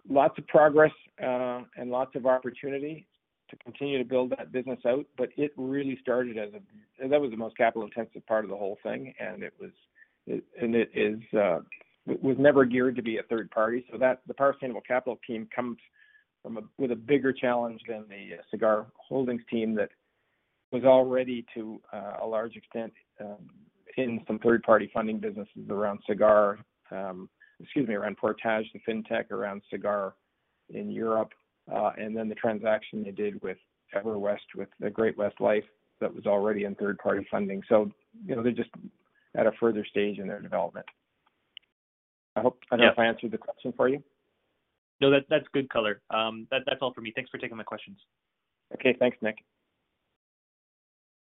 lots of progress and lots of opportunity to continue to build that business out. It really started. That was the most capital-intensive part of the whole thing. It was never geared to be a third party. The Power Sustainable Capital team comes with a bigger challenge than the Sagard Holdings team that was already to a large extent in some third-party funding businesses around Sagard, around Portage, the Fintech, around Sagard in Europe, and then the transaction they did with EverWest, with the Great-West Lifeco that was already in third-party funding. You know, they're just at a further stage in their development. I hope. Yeah. I don't know if I answered the question for you. No, that's good color. That's all for me. Thanks for taking my questions. Okay. Thanks, Nik.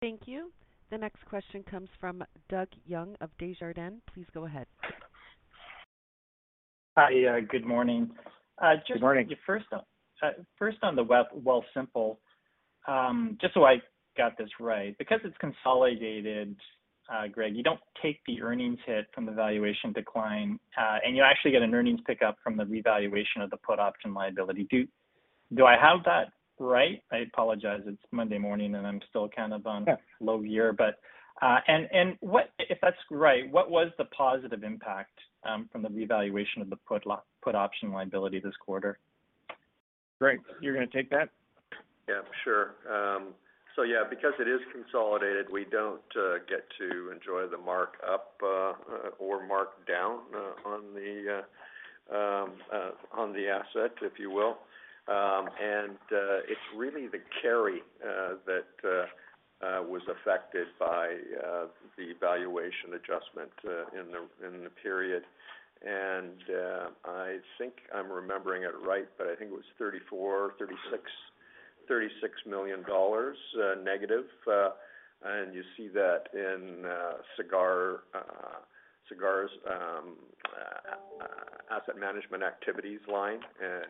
Thank you. The next question comes from Doug Young of Desjardins. Please go ahead. Hi. Good morning. Good morning. Just first on Wealthsimple. Just so I got this right, because it's consolidated, Greg, you don't take the earnings hit from the valuation decline, and you actually get an earnings pickup from the revaluation of the put option liability. Do I have that right? I apologize. It's Monday morning, and I'm still kind of on- Yeah. If that's right, what was the positive impact from the revaluation of the put option liability this quarter? Greg, you're gonna take that? Yeah, sure. Yeah, because it is consolidated, we don't get to enjoy the markup or markdown on the asset, if you will. It's really the carry that was affected by the valuation adjustment in the period. I think I'm remembering it right, but I think it was 36 million dollars negative. You see that in Sagard's asset management activities line.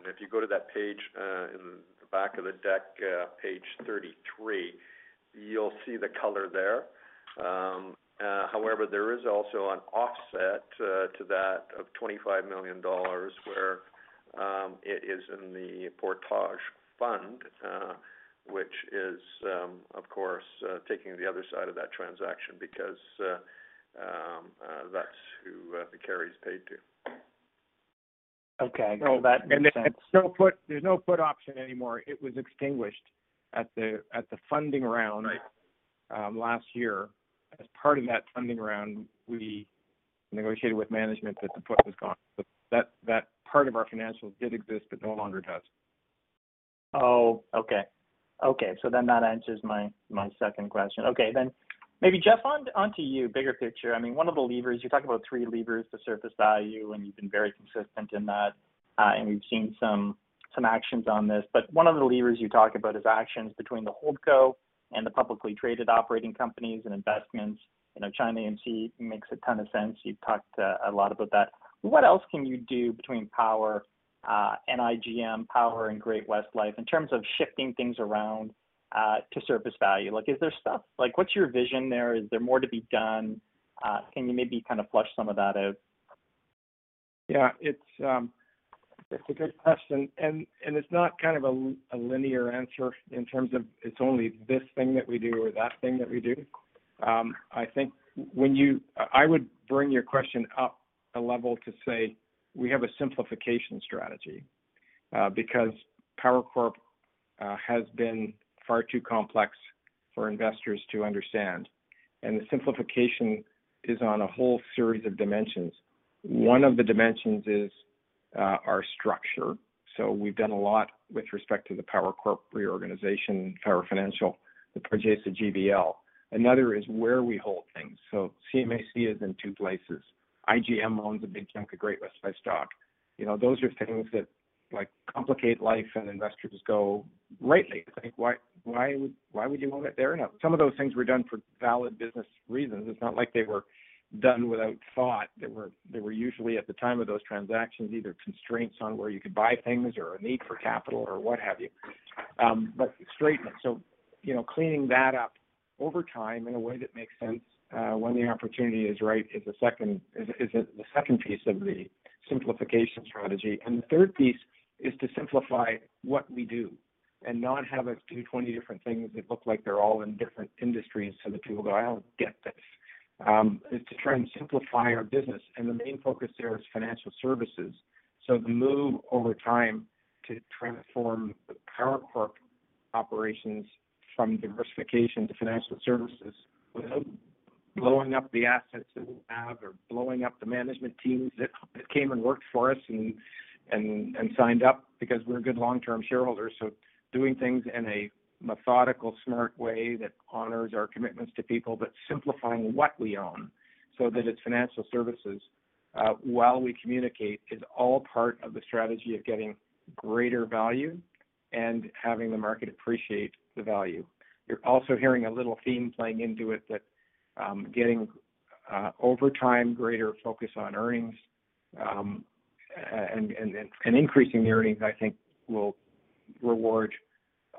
If you go to that page in the back of the deck, page 33, you'll see the color there. However, there is also an offset to that of 25 million dollars where it is in the Portage fund, which is, of course, taking the other side of that transaction because that's who the carry is paid to. Okay. Oh, that makes sense. There's no put option anymore. It was extinguished at the funding round. Right. Last year. As part of that funding round, we negotiated with management that the put was gone. That part of our financials did exist, but no longer does. That answers my second question. Maybe, Jeff, on to you, bigger picture. I mean, one of the levers you talk about three levers to surface value, and you've been very consistent in that. We've seen some actions on this. One of the levers you talk about is actions between the holdco and the publicly traded operating companies and investments. You know, China AMC makes a ton of sense. You've talked a lot about that. What else can you do between Power and IGM, Power and Great-West Lifeco in terms of shifting things around to surface value? Like, is there stuff? Like, what's your vision there? Is there more to be done? Can you maybe kind of flesh some of that out? Yeah. It's a good question. It's not kind of a linear answer in terms of it's only this thing that we do or that thing that we do. I think I would bring your question up a level to say we have a simplification strategy, because Power Corp has been far too complex for investors to understand, and the simplification is on a whole series of dimensions. One of the dimensions is our structure. We've done a lot with respect to the Power Corp reorganization, Power Financial, the purchase of GBL. Another is where we hold things. China AMC is in two places. IGM owns a big chunk of Great-West Life stock. You know, those are things that, like, complicate life and investors go, rightly, think why would you hold it there? Now, some of those things were done for valid business reasons. It's not like they were done without thought. There were usually, at the time of those transactions, either constraints on where you could buy things or a need for capital or what have you. But straighten it. You know, cleaning that up over time in a way that makes sense, when the opportunity is right, is the second piece of the simplification strategy. The third piece is to simplify what we do and not have us do 20 different things that look like they're all in different industries so that people go, "I don't get this," is to try and simplify our business. The main focus there is financial services. The move over time to transform the Power Corp operations from diversification to financial services without blowing up the assets that we have or blowing up the management teams that came and worked for us and signed up because we're good long-term shareholders. Doing things in a methodical, smart way that honors our commitments to people, but simplifying what we own so that it's financial services, while we communicate, is all part of the strategy of getting greater value and having the market appreciate the value. You're also hearing a little theme playing into it that, getting over time, greater focus on earnings, and increasing the earnings, I think will reward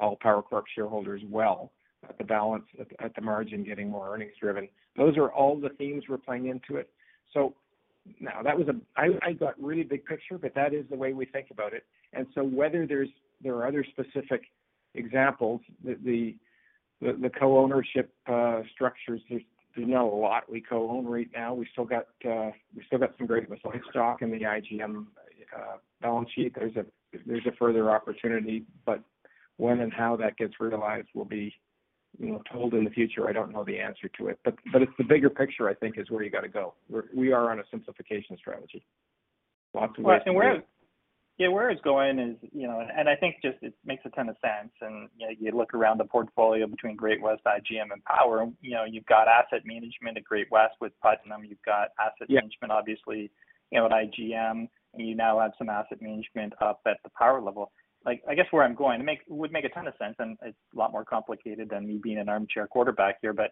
all Power Corp shareholders well, at the margin, getting more earnings driven. Those are all the themes we're playing into it. Now that was. I got really big picture, but that is the way we think about it. Whether there's other specific examples that the co-ownership structures, there's you know a lot we co-own right now. We still got some Great-West Life stock in the IGM balance sheet. There's a further opportunity, but when and how that gets realized will be you know told in the future. I don't know the answer to it. But it's the bigger picture, I think, is where you got to go. We are on a simplification strategy. Lots of ways to do it. Well, where it's going is, you know, I think just it makes a ton of sense. You know, you look around the portfolio between Great-West, IGM, and Power, you know, you've got asset management at Great-West with Putnam, you've got asset management obviously, you know, at IGM, and you now add some asset management up at the Power level. Like, I guess where I'm going, would make a ton of sense, and it's a lot more complicated than me being an armchair quarterback here, but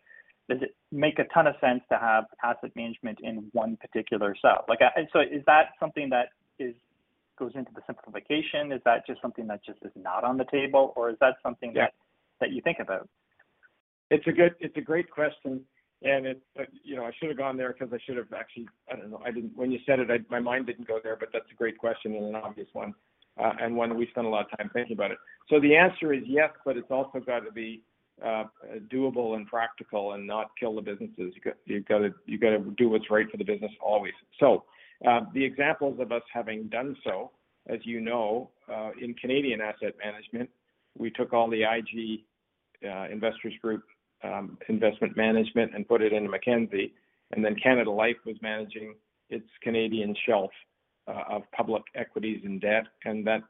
does it make a ton of sense to have asset management in one particular silo? Like, so is that something that goes into the simplification? Is that just something that just is not on the table? Or is that something that Yeah that you think about? It's a great question, and it, you know, I should have gone there because I should have actually. I don't know. When you said it, my mind didn't go there, but that's a great question and an obvious one. One we spend a lot of time thinking about it. The answer is yes, but it's also got to be doable and practical and not kill the businesses. You got to do what's right for the business always. The examples of us having done so, as you know, in Canadian asset management, we took all the IG, Investors Group, investment management and put it into Mackenzie. Canada Life was managing its Canadian shelf of public equities and debt, and that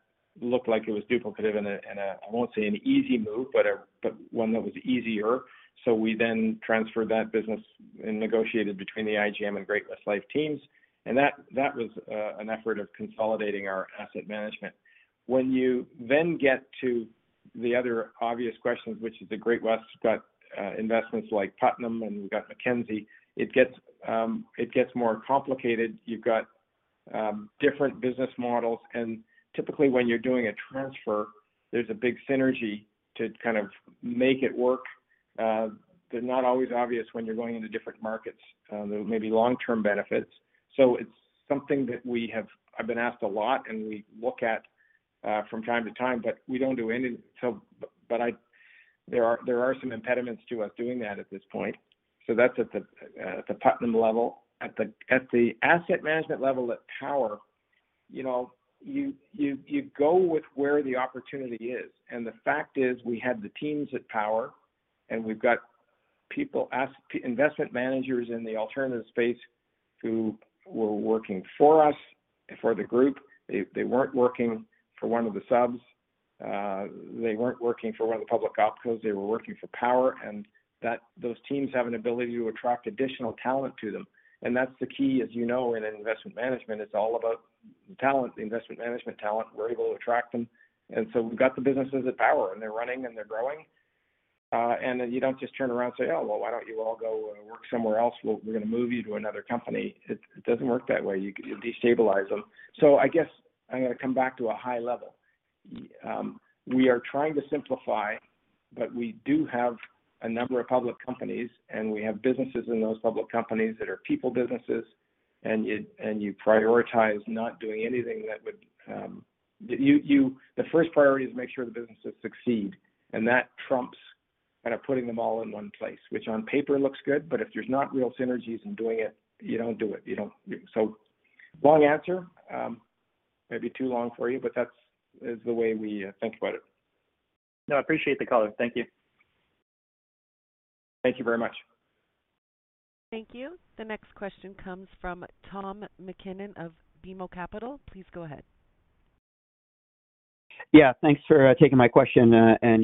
looked like it was duplicative in a I won't say an easy move, but one that was easier. We then transferred that business and negotiated between the IGM and Great-West Life teams. That was an effort of consolidating our asset management. When you get to the other obvious questions, which is that Great-West's got investments like Putnam, and we've got Mackenzie, it gets more complicated. You've got different business models, and typically when you're doing a transfer, there's a big synergy to kind of make it work. They're not always obvious when you're going into different markets. There may be long-term benefits. It's something that I've been asked a lot, and we look at from time to time, but we don't do any. But there are some impediments to us doing that at this point. That's at the Putnam level. At the asset management level at Power, you know, you go with where the opportunity is. The fact is we have the teams at Power, and we've got people as investment managers in the alternative space who were working for us, for the group. They weren't working for one of the subs. They weren't working for one of the public opcos. They were working for Power, and those teams have an ability to attract additional talent to them. That's the key, as you know, in investment management. It's all about talent, investment management talent. We're able to attract them. We've got the businesses at Power, and they're running, and they're growing. You don't just turn around and say, "Oh, well, why don't you all go work somewhere else? We're gonna move you to another company." It doesn't work that way. You destabilize them. I guess I'm gonna come back to a high level. We are trying to simplify, but we do have a number of public companies, and we have businesses in those public companies that are people businesses. You prioritize not doing anything that would. The first priority is make sure the businesses succeed, and that trumps kind of putting them all in one place, which on paper looks good, but if there's not real synergies in doing it, you don't do it. You don't. Long answer, maybe too long for you, but that's the way we think about it. No, I appreciate the color. Thank you. Thank you very much. Thank you. The next question comes from Tom MacKinnon of BMO Capital. Please go ahead. Yeah, thanks for taking my question.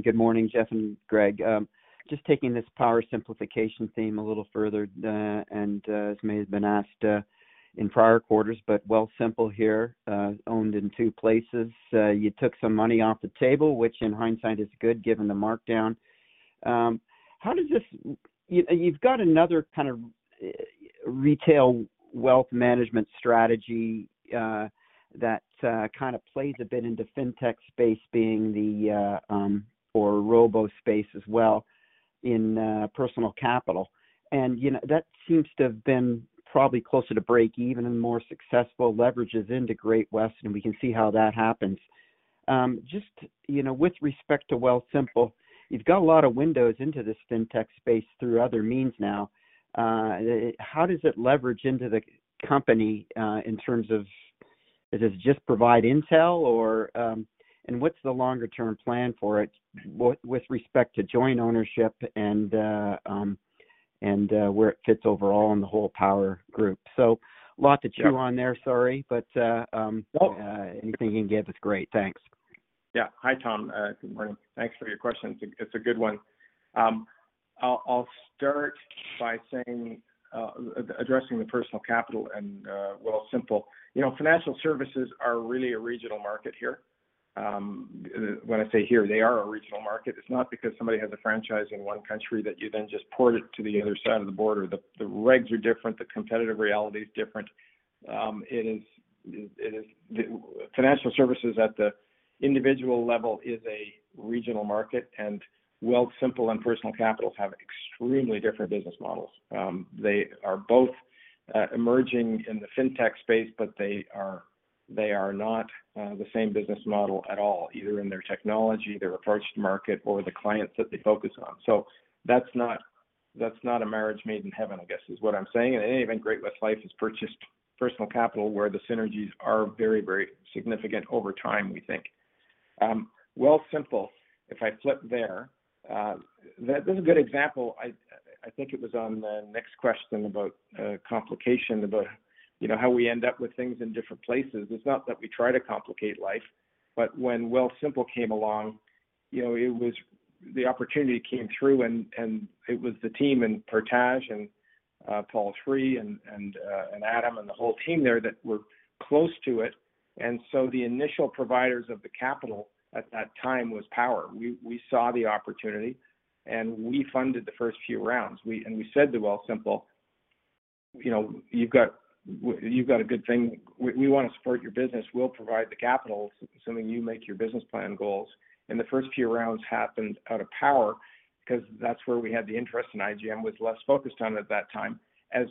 Good morning, Jeff and Greg. Just taking this Power simplification theme a little further, this may have been asked in prior quarters, but Wealthsimple here, owned in two places. You took some money off the table, which in hindsight is good given the markdown. How does this? You've got another kind of retail wealth management strategy, that kind of plays a bit into Fintech space being the or robo-advisor space as well in Personal Capital. You know, that seems to have been probably closer to breakeven and more successful leverages into Great-West, and we can see how that happens. Just, you know, with respect to Wealthsimple, you've got a lot of windows into this Fintech space through other means now. How does it leverage into the company in terms of does it just provide intel or? What's the longer-term plan for it with respect to joint ownership and where it fits overall in the whole Power group? Lots to chew on there, sorry. Anything you can give is great. Thanks. Yeah. Hi, Tom. Good morning. Thanks for your question. It's a good one. I'll start by saying, addressing the Personal Capital and Wealthsimple. You know, financial services are really a regional market here. When I say here, they are a regional market. It's not because somebody has a franchise in one country that you then just port it to the other side of the border. The regs are different, the competitive reality is different. Financial services at the individual level is a regional market, and Wealthsimple and Personal Capital have extremely different business models. They are both emerging in the Fintech space, but they are not the same business model at all, either in their technology, their approach to market or the clients that they focus on. That's not a marriage made in heaven, I guess, is what I'm saying. Even Great-West Lifeco has purchased Personal Capital, where the synergies are very, very significant over time, we think. Wealthsimple, if I flip there, that is a good example. I think it was on the next question about complication, you know, how we end up with things in different places. It's not that we try to complicate life, but when Wealthsimple came along, you know, it was the opportunity came through and it was the team in Portage and Paul Desmarais III and Adam and the whole team there that were close to it. The initial providers of the capital at that time was Power. We saw the opportunity, and we funded the first few rounds. We said to Wealthsimple, "You know, you've got a good thing. We want to support your business. We'll provide the capital, assuming you make your business plan goals." The first few rounds happened out of Power because that's where we had the interest, and IGM was less focused on it at that time. As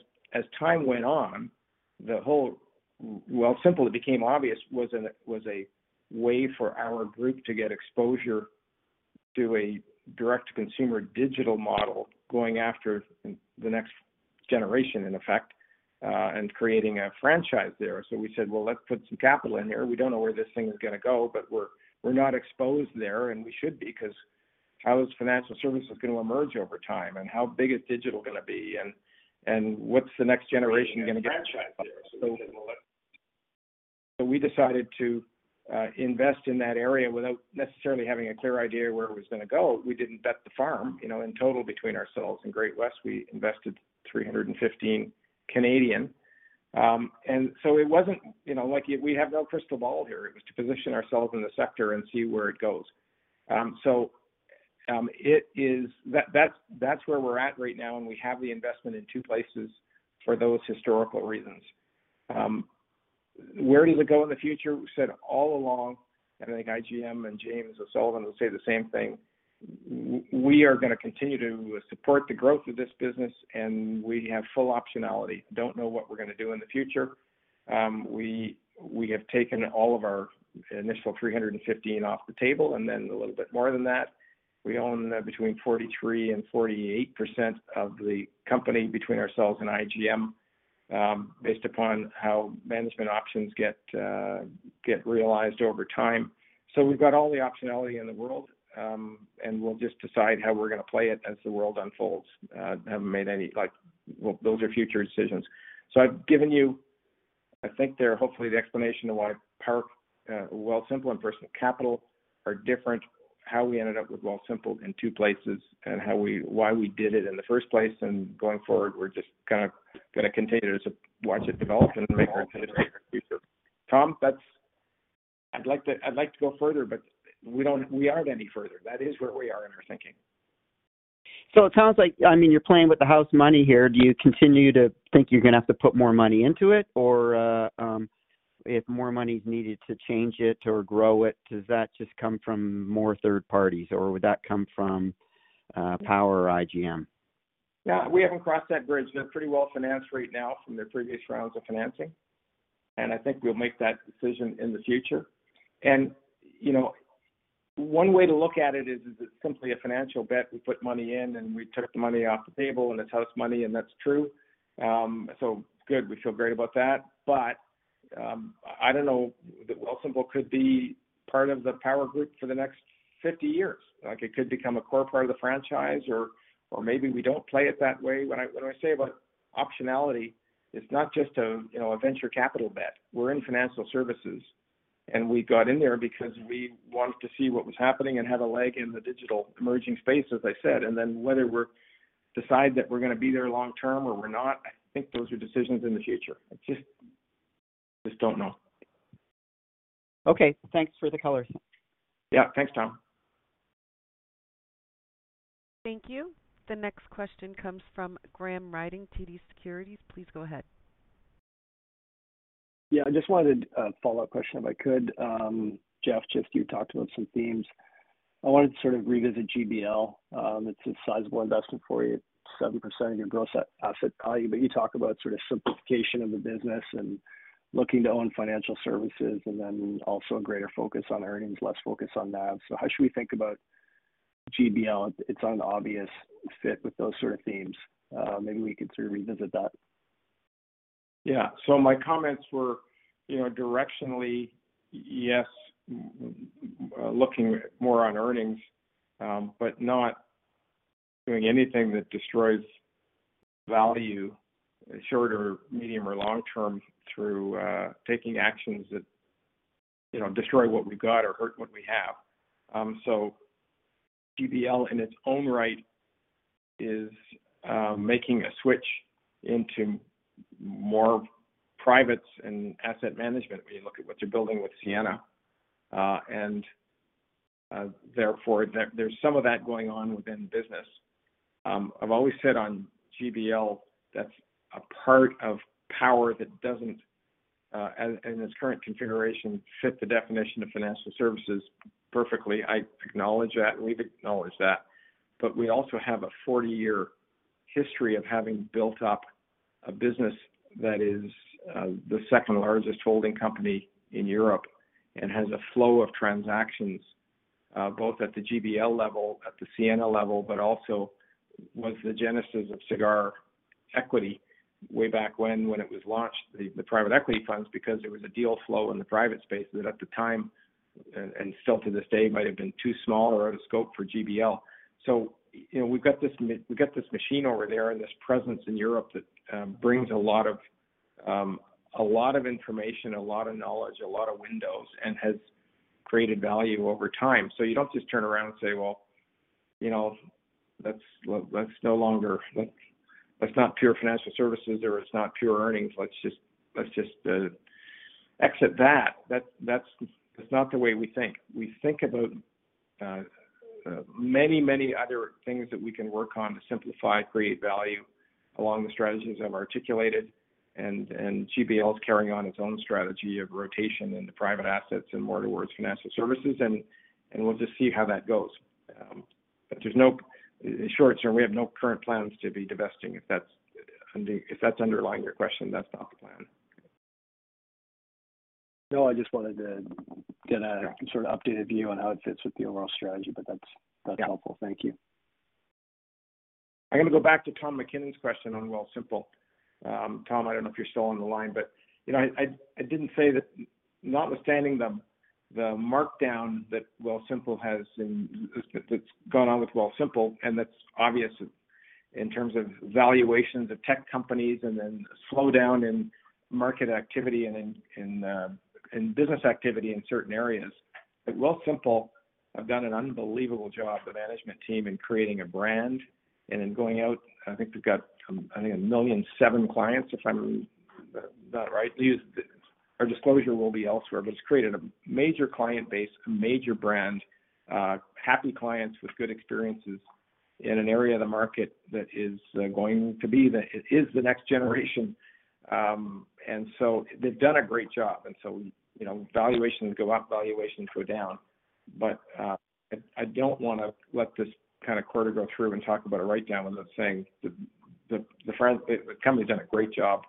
time went on, the whole Wealthsimple, it became obvious, was a way for our group to get exposure to a direct-to-consumer digital model going after the next generation in effect, and creating a franchise there. We said, "Well, let's put some capital in here. We don't know where this thing is going to go, but we're not exposed there, and we should be because how is financial services going to emerge over time, and how big is digital going to be and what's the next generation going to get? We decided to invest in that area without necessarily having a clear idea where it was going to go. We didn't bet the farm. You know, in total between ourselves and Great-West, we invested 315. It wasn't, you know, like we have no crystal ball here. It was to position ourselves in the sector and see where it goes. That's where we're at right now, and we have the investment in two places for those historical reasons. Where does it go in the future? We said all along, and I think IGM and James O'Sullivan will say the same thing. We are going to continue to support the growth of this business, and we have full optionality. Don't know what we're going to do in the future. We have taken all of our initial 315 off the table and then a little bit more than that. We own between 43% and 48% of the company between ourselves and IGM, based upon how management options get realized over time. We've got all the optionality in the world, and we'll just decide how we're going to play it as the world unfolds. Haven't made any, like, those are future decisions. I've given you I think there hopefully the explanation of why Power, Wealthsimple and Personal Capital are different, how we ended up with Wealthsimple in two places, and why we did it in the first place. Going forward, we're just kinda going to continue to watch it develop and make our considerations. Tom, that's. I'd like to go further, but we aren't any further. That is where we are in our thinking. It sounds like, I mean, you're playing with the house money here. Do you continue to think you're going to have to put more money into it? Or, if more money is needed to change it or grow it, does that just come from more third parties, or would that come from, Power or IGM? Yeah. We haven't crossed that bridge. They're pretty well financed right now from their previous rounds of financing. I think we'll make that decision in the future. You know, one way to look at it is, it's simply a financial bet. We put money in, and we took the money off the table, and it's house money, and that's true. So good. We feel great about that. But, I don't know that Wealthsimple could be part of the Power group for the next 50 years. Like, it could become a core part of the franchise or maybe we don't play it that way. When I say about optionality, it's not just a, you know, a venture capital bet. We're in financial services, and we got in there because we wanted to see what was happening and have a leg in the digital emerging space, as I said. Whether we're gonna be there long-term or we're not, I think those are decisions in the future. I just don't know. Okay. Thanks for the color. Yeah. Thanks, Tom. Thank you. The next question comes from Graham Ryding, TD Securities. Please go ahead. Yeah, I just wanted a follow-up question, if I could. Jeff, just you talked about some themes. I wanted to sort of revisit GBL. It's a sizable investment for you, 7% of your gross asset value. You talk about sort of simplification of the business and looking to own financial services and then also a greater focus on earnings, less focus on NAV. How should we think about GBL? It's an obvious fit with those sort of themes. Maybe we could sort of revisit that. Yeah. My comments were, you know, directionally, yes, looking more on earnings, but not doing anything that destroys value short or medium or long-term through taking actions that, you know, destroy what we've got or hurt what we have. GBL in its own right is making a switch into more privates and asset management when you look at what they're building with Sienna. And therefore, there's some of that going on within the business. I've always said on GBL, that's a part of Power that doesn't, as in its current configuration, fit the definition of financial services perfectly. I acknowledge that, and we've acknowledged that. We also have a 40-year history of having built up a business that is the second-largest holding company in Europe and has a flow of transactions both at the GBL level, at the Sienna level, but also was the genesis of Sagard equity way back when it was launched, the private equity funds. Because there was a deal flow in the private space that at the time, and still to this day, might have been too small or out of scope for GBL. You know, we've got this machine over there and this presence in Europe that brings a lot of information, a lot of knowledge, a lot of windows and has created value over time. You don't just turn around and say, "Well, that's not pure financial services," or, "It's not pure earnings. Let's just exit that." That's not the way we think. We think about many other things that we can work on to simplify, create value along the strategies that I've articulated. GBL is carrying on its own strategy of rotation into private assets and more towards financial services, and we'll just see how that goes. But short-term, we have no current plans to be divesting, if that's underlying your question, that's not the plan. No, I just wanted to get a sort of updated view on how it fits with the overall strategy, but that's. Yeah. That's helpful. Thank you. I'm gonna go back to Tom MacKinnon's question on Wealthsimple. Tom, I don't know if you're still on the line, but you know, I didn't say that notwithstanding the markdown that Wealthsimple has and that's gone on with Wealthsimple, and that's obvious in terms of valuations of tech companies and then a slowdown in market activity and in business activity in certain areas. Wealthsimple have done an unbelievable job, the management team, in creating a brand and in going out. I think they've got 1,000,007 clients, if I'm not right. Our disclosure will be elsewhere, but it's created a major client base, a major brand, happy clients with good experiences in an area of the market that is going to be it is the next generation. They've done a great job. You know, valuations go up, valuations go down. I don't wanna let this kind of quarter go through and talk about a write-down without saying the company's done a great job,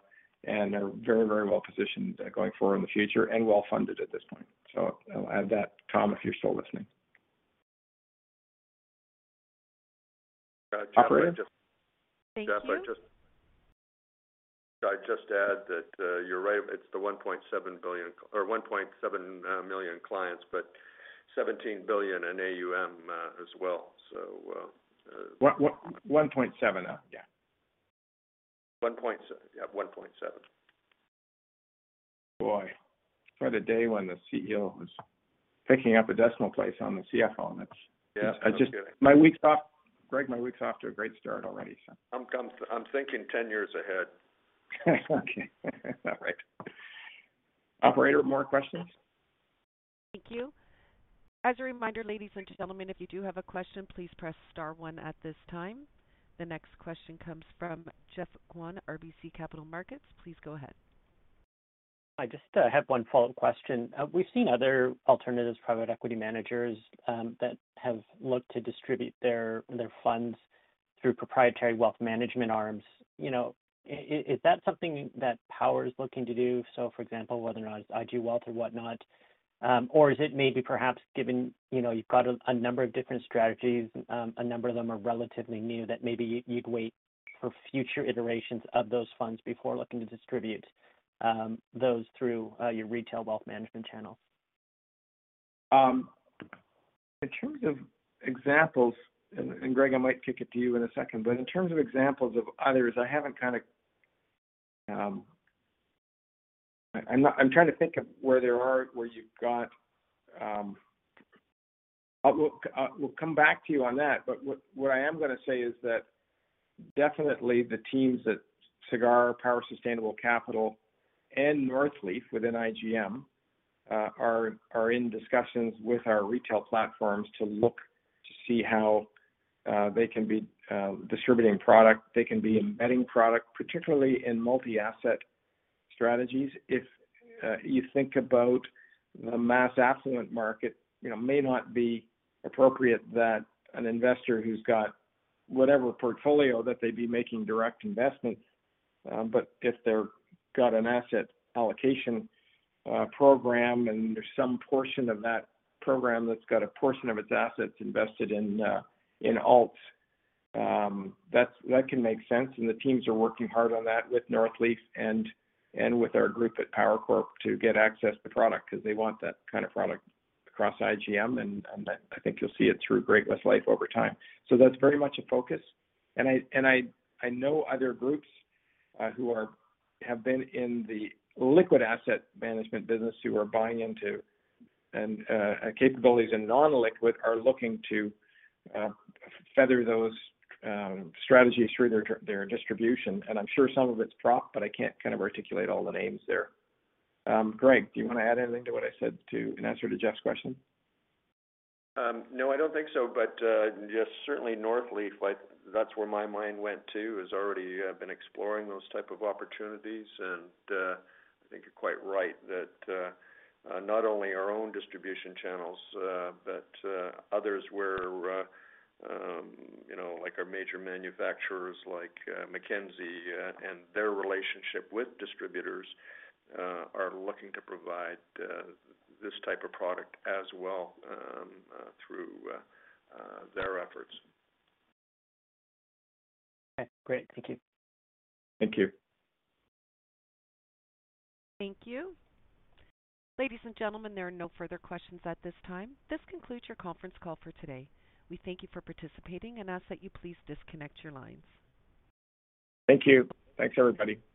and they're very, very well positioned going forward in the future and well-funded at this point. I'll add that, Tom, if you're still listening. Jeff, I just- Operator. Thank you. Jeff, could I just add that, you're right. It's the 1.7 billion or 1.7 million clients, but 17 billion in AUM, as well. 1.7, yeah. One point s- yeah, 1.7. Boy, for the day when the CEO is picking up a decimal place on the CFO, and it's. Yeah. My week's off to a great start already, so. I'm thinking 10 years ahead. Okay. All right. Operator, more questions? Thank you. As a reminder, ladies and gentlemen, if you do have a question, please press star one at this time. The next question comes from Geoffrey Kwan, RBC Capital Markets. Please go ahead. I just have one follow-up question. We've seen other alternatives, private equity managers, that have looked to distribute their funds through proprietary wealth management arms. You know, is that something that Power is looking to do? For example, whether or not IG Wealth or whatnot. Or is it maybe perhaps given, you know, you've got a number of different strategies, a number of them are relatively new that maybe you'd wait for future iterations of those funds before looking to distribute those through your retail wealth management channel. In terms of examples, and Greg, I might kick it to you in a second, but in terms of examples of others, I haven't kinda. I'm not. I'm trying to think of where there are, where you've got. I will come back to you on that. What I am gonna say is that definitely the teams at Sagard, Power Sustainable, and Northleaf within IGM are in discussions with our retail platforms to look to see how they can be distributing product, they can be embedding product, particularly in multi-asset strategies. If you think about the mass affluent market, you know, may not be appropriate that an investor who's got whatever portfolio that they'd be making direct investments. If they've got an asset allocation program and there's some portion of that program that's got a portion of its assets invested in alts, that can make sense. The teams are working hard on that with Northleaf and with our group at Power Corp to get access to product, because they want that kind of product across IGM. I think you'll see it through Great-West Lifeco over time. That's very much a focus. I know other groups who have been in the liquid asset management business who are buying into capabilities in non-liquid are looking to further those strategies through their distribution. I'm sure some of it's prop, but I can't kind of articulate all the names there. Greg, do you wanna add anything to what I said in answer to Geoff's question? No, I don't think so. Yes, certainly Northleaf, like, that's where my mind went to, has already been exploring those type of opportunities. I think you're quite right that not only our own distribution channels, but others where, you know, like our major manufacturers like Mackenzie and their relationship with distributors are looking to provide this type of product as well through their efforts. Okay. Great. Thank you. Thank you. Thank you. Ladies and gentlemen, there are no further questions at this time. This concludes your conference call for today. We thank you for participating and ask that you please disconnect your lines. Thank you. Thanks, everybody. Bye now.